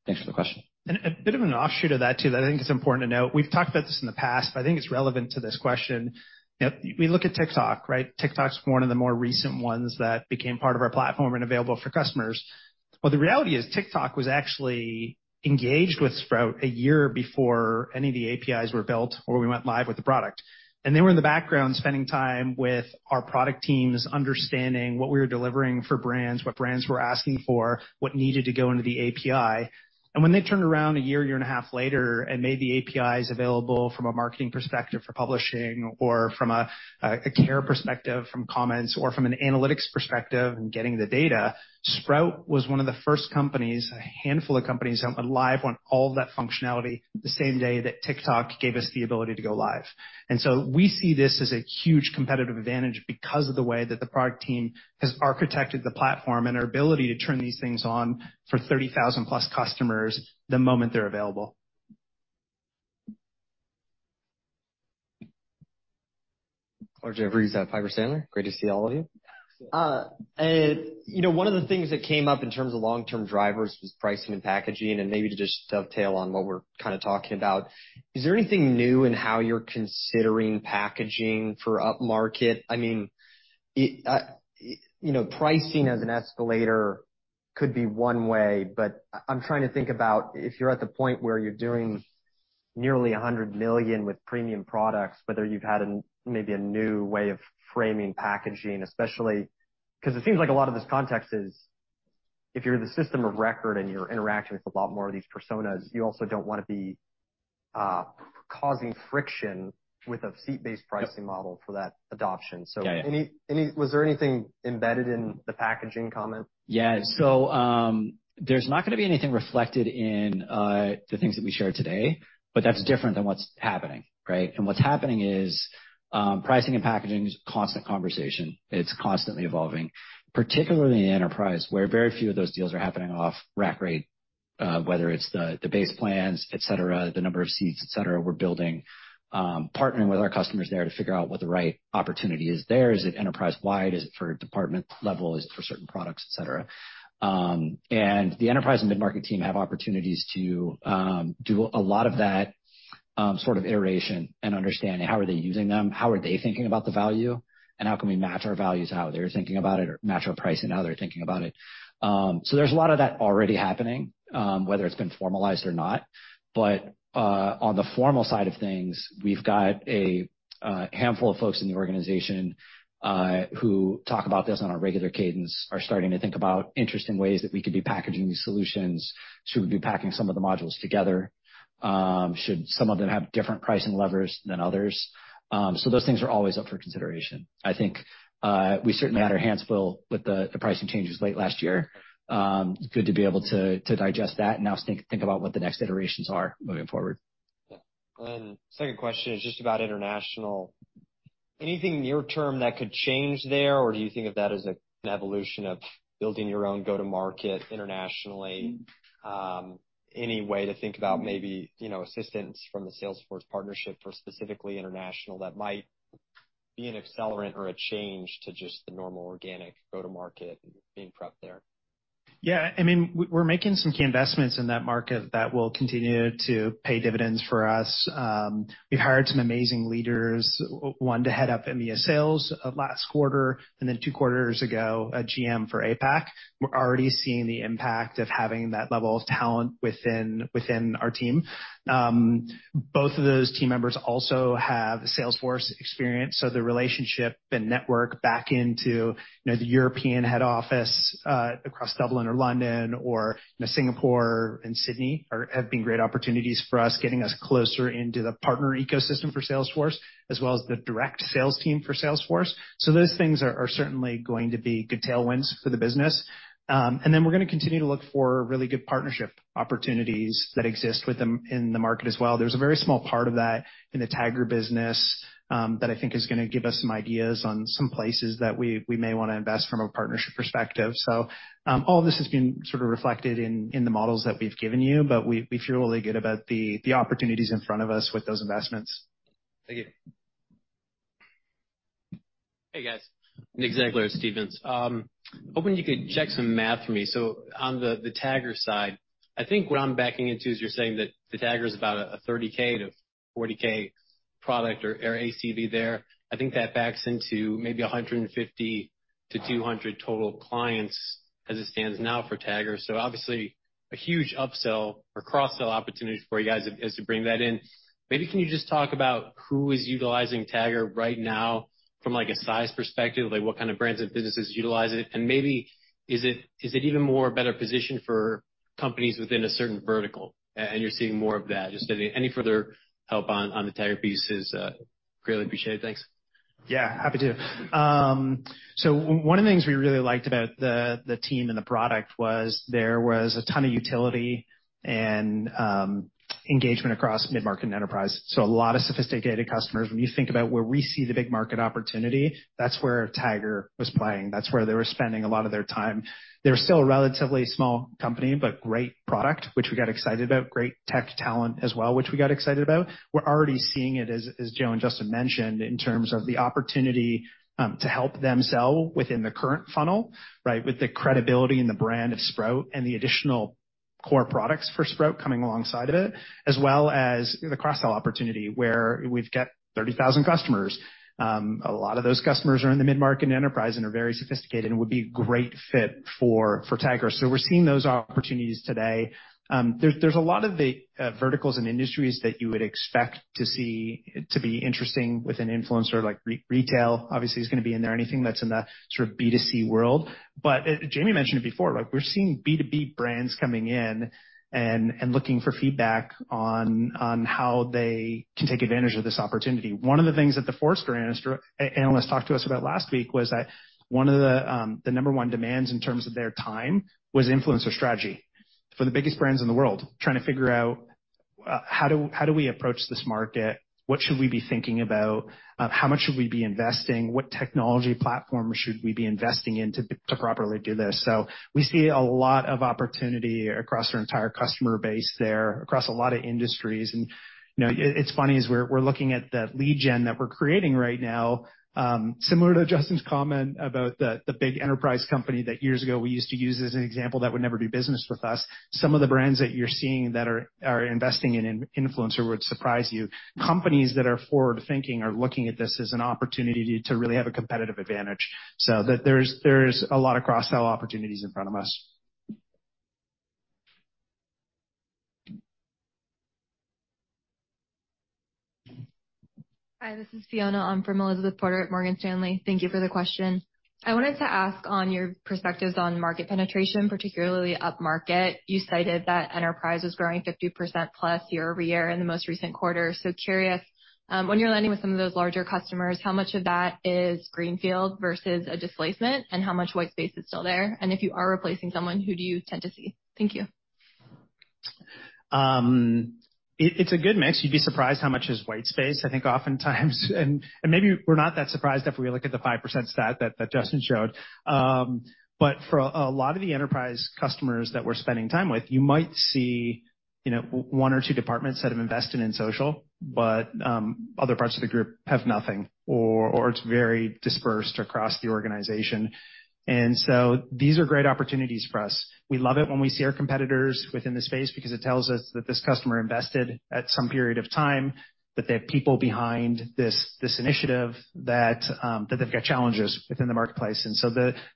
Thanks for the question.
A bit of an offshoot of that, too, that I think it's important to note. We've talked about this in the past. I think it's relevant to this question. You know, we look at TikTok, right? TikTok's one of the more recent ones that became part of our platform and available for customers. But the reality is, TikTok was actually engaged with Sprout a year before any of the APIs were built or we went live with the product. And they were in the background, spending time with our product teams, understanding what we were delivering for brands, what brands were asking for, what needed to go into the API. And when they turned around a year, year and a half later, and made the APIs available from a marketing perspective for publishing or from a, a care perspective, from comments, or from an analytics perspective and getting the data, Sprout was one of the first companies, a handful of companies, live on all that functionality, the same day that TikTok gave us the ability to go live. And so we see this as a huge competitive advantage because of the way that the product team has architected the platform and our ability to turn these things on for 30,000+ customers the moment they're available.
Clarke Jeffries at Piper Sandler. Great to see all of you. You know, one of the things that came up in terms of long-term drivers was pricing and packaging, and maybe to just dovetail on what we're kind of talking about, is there anything new in how you're considering packaging for upmarket? I mean, it, you know, pricing as an escalator could be one way, but I'm trying to think about if you're at the point where you're doing nearly $100 million with premium products, whether you've had a, maybe a new way of framing packaging, especially. Because it seems like a lot of this context is if you're the system of record and you're interacting with a lot more of these personas, you also don't want to be, causing friction with a seat-based pricing model for that adoption.
Yeah, yeah.
So, was there anything embedded in the packaging comment?
Yeah. So, there's not gonna be anything reflected in the things that we shared today, but that's different than what's happening, right? And what's happening is pricing and packaging is a constant conversation. It's constantly evolving, particularly in the enterprise, where very few of those deals are happening off rack rate, whether it's the base plans, et cetera, the number of seats, et cetera. We're building, partnering with our customers there to figure out what the right opportunity is there. Is it enterprise-wide? Is it for department level? Is it for certain products, et cetera? And the enterprise and mid-market team have opportunities to do a lot of that sort of iteration and understanding how are they using them, how are they thinking about the value, and how can we match our values, how they're thinking about it, or match our pricing, how they're thinking about it. So there's a lot of that already happening, whether it's been formalized or not. But on the formal side of things, we've got a handful of folks in the organization who talk about this on a regular cadence, are starting to think about interesting ways that we could be packaging these solutions. Should we be packing some of the modules together? Should some of them have different pricing levers than others? So those things are always up for consideration. I think we certainly had our hands full with the pricing changes late last year. Good to be able to digest that and now think about what the next iterations are moving forward.
Yeah. Second question is just about international. Anything near term that could change there, or do you think of that as an evolution of building your own go-to-market internationally? Any way to think about maybe, you know, assistance from the Salesforce partnership for specifically international, that might be an accelerant or a change to just the normal organic go-to-market being prepped there?
Yeah, I mean, we're making some key investments in that market that will continue to pay dividends for us. We've hired some amazing leaders, one, to head up EMEA sales, last quarter, and then two quarters ago, a GM for APAC. We're already seeing the impact of having that level of talent within our team. Both of those team members also have Salesforce experience, so the relationship and network back into, you know, the European head office, across Dublin or London or, you know, Singapore and Sydney have been great opportunities for us, getting us closer into the partner ecosystem for Salesforce, as well as the direct sales team for Salesforce. So those things are certainly going to be good tailwinds for the business. And then we're gonna continue to look for really good partnership opportunities that exist with them in the market as well. There's a very small part of that in the Tagger business that I think is gonna give us some ideas on some places that we may wanna invest from a partnership perspective. So, all this has been sort of reflected in the models that we've given you, but we feel really good about the opportunities in front of us with those investments.
Thank you.
Hey, guys. Nick Zangler at Stephens. Hoping you could check some math for me. So on the Tagger side, I think what I'm backing into is you're saying that the Tagger is about a $30K-$40K product or ACV there. I think that backs into maybe 150-200 total clients as it stands now for Tagger. So obviously, a huge upsell or cross-sell opportunity for you guys as you bring that in. Maybe can you just talk about who is utilizing Tagger right now from, like, a size perspective, like, what kind of brands and businesses utilize it? And maybe is it even more better positioned for companies within a certain vertical, and you're seeing more of that? Just any further help on the Tagger piece is greatly appreciated. Thanks.
Yeah, happy to. So one of the things we really liked about the, the team and the product was there was a ton of utility and engagement across mid-market enterprise, so a lot of sophisticated customers. When you think about where we see the big market opportunity, that's where Tagger was playing. That's where they were spending a lot of their time. They're still a relatively small company, but great product, which we got excited about. Great tech talent as well, which we got excited about. We're already seeing it, as Joe and Justyn mentioned, in terms of the opportunity to help them sell within the current funnel, right? With the credibility and the brand of Sprout and the additional core products for Sprout coming alongside of it, as well as the cross-sell opportunity, where we've got 30,000 customers. A lot of those customers are in the mid-market enterprise and are very sophisticated and would be a great fit for Tagger. So we're seeing those opportunities today. There's a lot of the verticals and industries that you would expect to see to be interesting with an influencer, like retail, obviously, is gonna be in there, anything that's in the sort of B2C world. But Jamie mentioned it before, like, we're seeing B2B brands coming in and looking for feedback on how they can take advantage of this opportunity. One of the things that the Forrester analyst talked to us about last week was that one of the, the number one demands in terms of their time was influencer strategy for the biggest brands in the world, trying to figure out, how do we approach this market? What should we be thinking about? How much should we be investing? What technology platform should we be investing in to properly do this? So we see a lot of opportunity across our entire customer base there, across a lot of industries. And, you know, it, it's funny, as we're looking at the lead gen that we're creating right now, similar to Justyn's comment about the big enterprise company that years ago we used to use as an example, that would never do business with us. Some of the brands that you're seeing that are investing in influencer would surprise you. Companies that are forward-thinking are looking at this as an opportunity to really have a competitive advantage, so that there's a lot of cross-sell opportunities in front of us.
Hi, this is Eliza. I'm from Elizabeth Porter at Morgan Stanley. Thank you for the question. I wanted to ask on your perspectives on market penetration, particularly upmarket. You cited that enterprise was growing 50%+ year-over-year in the most recent quarter. So curious, when you're landing with some of those larger customers, how much of that is greenfield versus a displacement, and how much white space is still there? And if you are replacing someone, who do you tend to see? Thank you.
It's a good mix. You'd be surprised how much is white space, I think, oftentimes, and maybe we're not that surprised if we look at the 5% stat that Justyn showed. But for a lot of the enterprise customers that we're spending time with, you might see, you know, one or two departments that have invested in social, but other parts of the group have nothing or it's very dispersed across the organization. And so these are great opportunities for us. We love it when we see our competitors within the space because it tells us that this customer invested at some period of time, that they have people behind this initiative, that they've got challenges within the marketplace.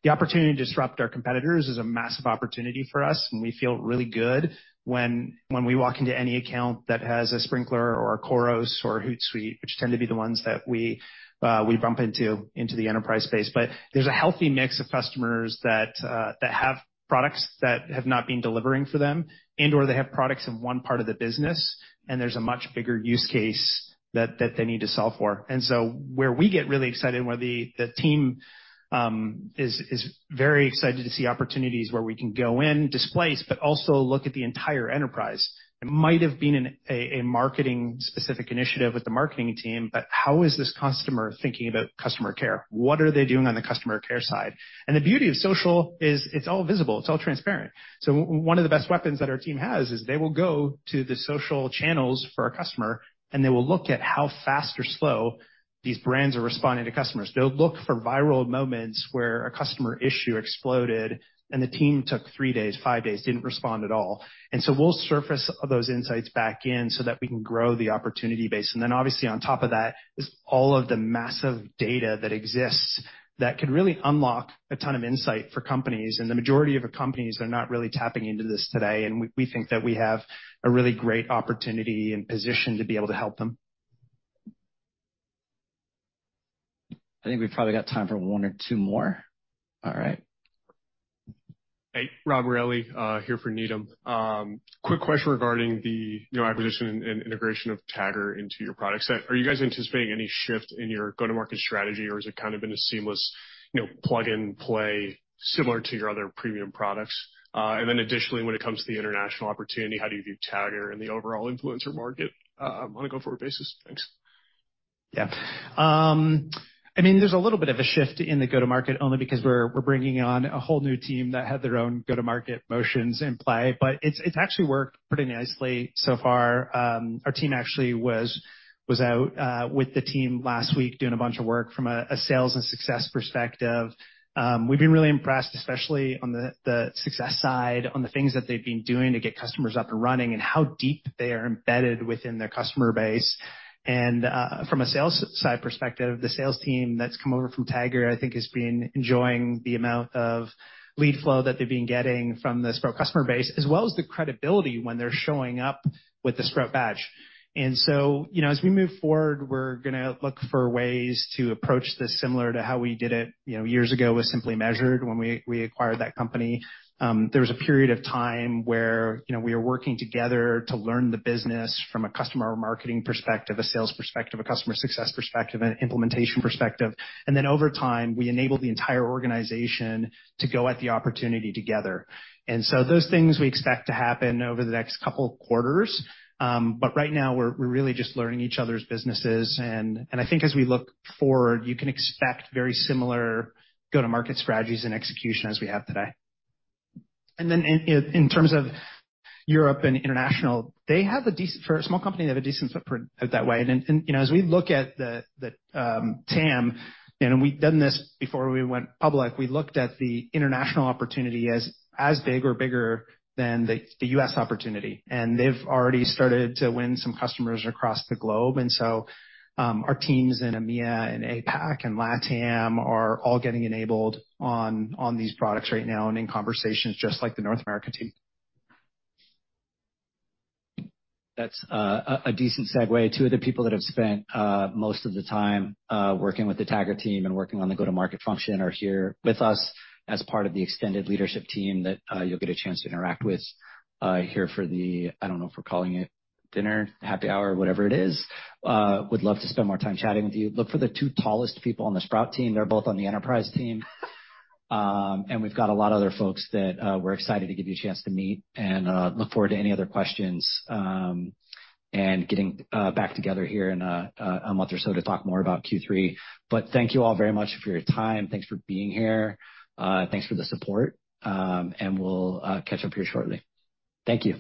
The opportunity to disrupt our competitors is a massive opportunity for us, and we feel really good when we walk into any account that has a Sprinklr or a Khoros or Hootsuite, which tend to be the ones that we bump into the enterprise space. There's a healthy mix of customers that have products that have not been delivering for them and/or they have products in one part of the business, and there's a much bigger use case that they need to solve for. Where we get really excited, where the team is very excited to see opportunities where we can go in, displace, but also look at the entire enterprise. It might have been a marketing-specific initiative with the marketing team, but how is this customer thinking about customer care? What are they doing on the customer care side? And the beauty of social is it's all visible, it's all transparent. So one of the best weapons that our team has is they will go to the social channels for a customer, and they will look at how fast or slow these brands are responding to customers. They'll look for viral moments where a customer issue exploded and the team took three days, five days, didn't respond at all. And so we'll surface those insights back in so that we can grow the opportunity base. And then, obviously, on top of that is all of the massive data that exists that could really unlock a ton of insight for companies, and the majority of the companies are not really tapping into this today, and we think that we have a really great opportunity and position to be able to help them.
I think we've probably got time for one or two more. All right.
Hey, Josh Riley, here for Needham. Quick question regarding the, you know, acquisition and integration of Tagger into your product set. Are you guys anticipating any shift in your go-to-market strategy, or has it kind of been a seamless, you know, plug-and-play similar to your other premium products? And then additionally, when it comes to the international opportunity, how do you view Tagger in the overall influencer market, on a go-forward basis? Thanks.
Yeah. I mean, there's a little bit of a shift in the go-to-market, only because we're bringing on a whole new team that had their own go-to-market motions in play, but it's actually worked pretty nicely so far. Our team actually was out with the team last week, doing a bunch of work from a sales and success perspective. We've been really impressed, especially on the success side, on the things that they've been doing to get customers up and running and how deep they are embedded within their customer base. And from a sales side perspective, the sales team that's come over from Tagger, I think, has been enjoying the amount of lead flow that they've been getting from the Sprout customer base, as well as the credibility when they're showing up with the Sprout badge. And so, you know, as we move forward, we're gonna look for ways to approach this similar to how we did it, you know, years ago, with Simply Measured, when we acquired that company. There was a period of time where, you know, we were working together to learn the business from a customer or marketing perspective, a sales perspective, a customer success perspective, and an implementation perspective. And then, over time, we enabled the entire organization to go at the opportunity together. And so those things we expect to happen over the next couple quarters. But right now, we're really just learning each other's businesses, and I think as we look forward, you can expect very similar go-to-market strategies and execution as we have today. And then in terms of Europe and international, for a small company, they have a decent footprint that way. And, and, you know, as we look at the TAM, and we've done this before we went public, we looked at the international opportunity as big or bigger than the U.S. opportunity. And they've already started to win some customers across the globe. And so, our teams in EMEA and APAC and LATAM are all getting enabled on these products right now and in conversations just like the North America team.
That's a decent segue to the people that have spent most of the time working with the Tagger team and working on the go-to-market function are here with us as part of the extended leadership team that you'll get a chance to interact with here for the I don't know if we're calling it dinner, happy hour, whatever it is, would love to spend more time chatting with you. Look for the two tallest people on the Sprout team. They're both on the enterprise team. We've got a lot of other folks that we're excited to give you a chance to meet and look forward to any other questions, and getting back together here in a month or so to talk more about Q3. Thank you all very much for your time. Thanks for being here. Thanks for the support, and we'll catch up here shortly. Thank you.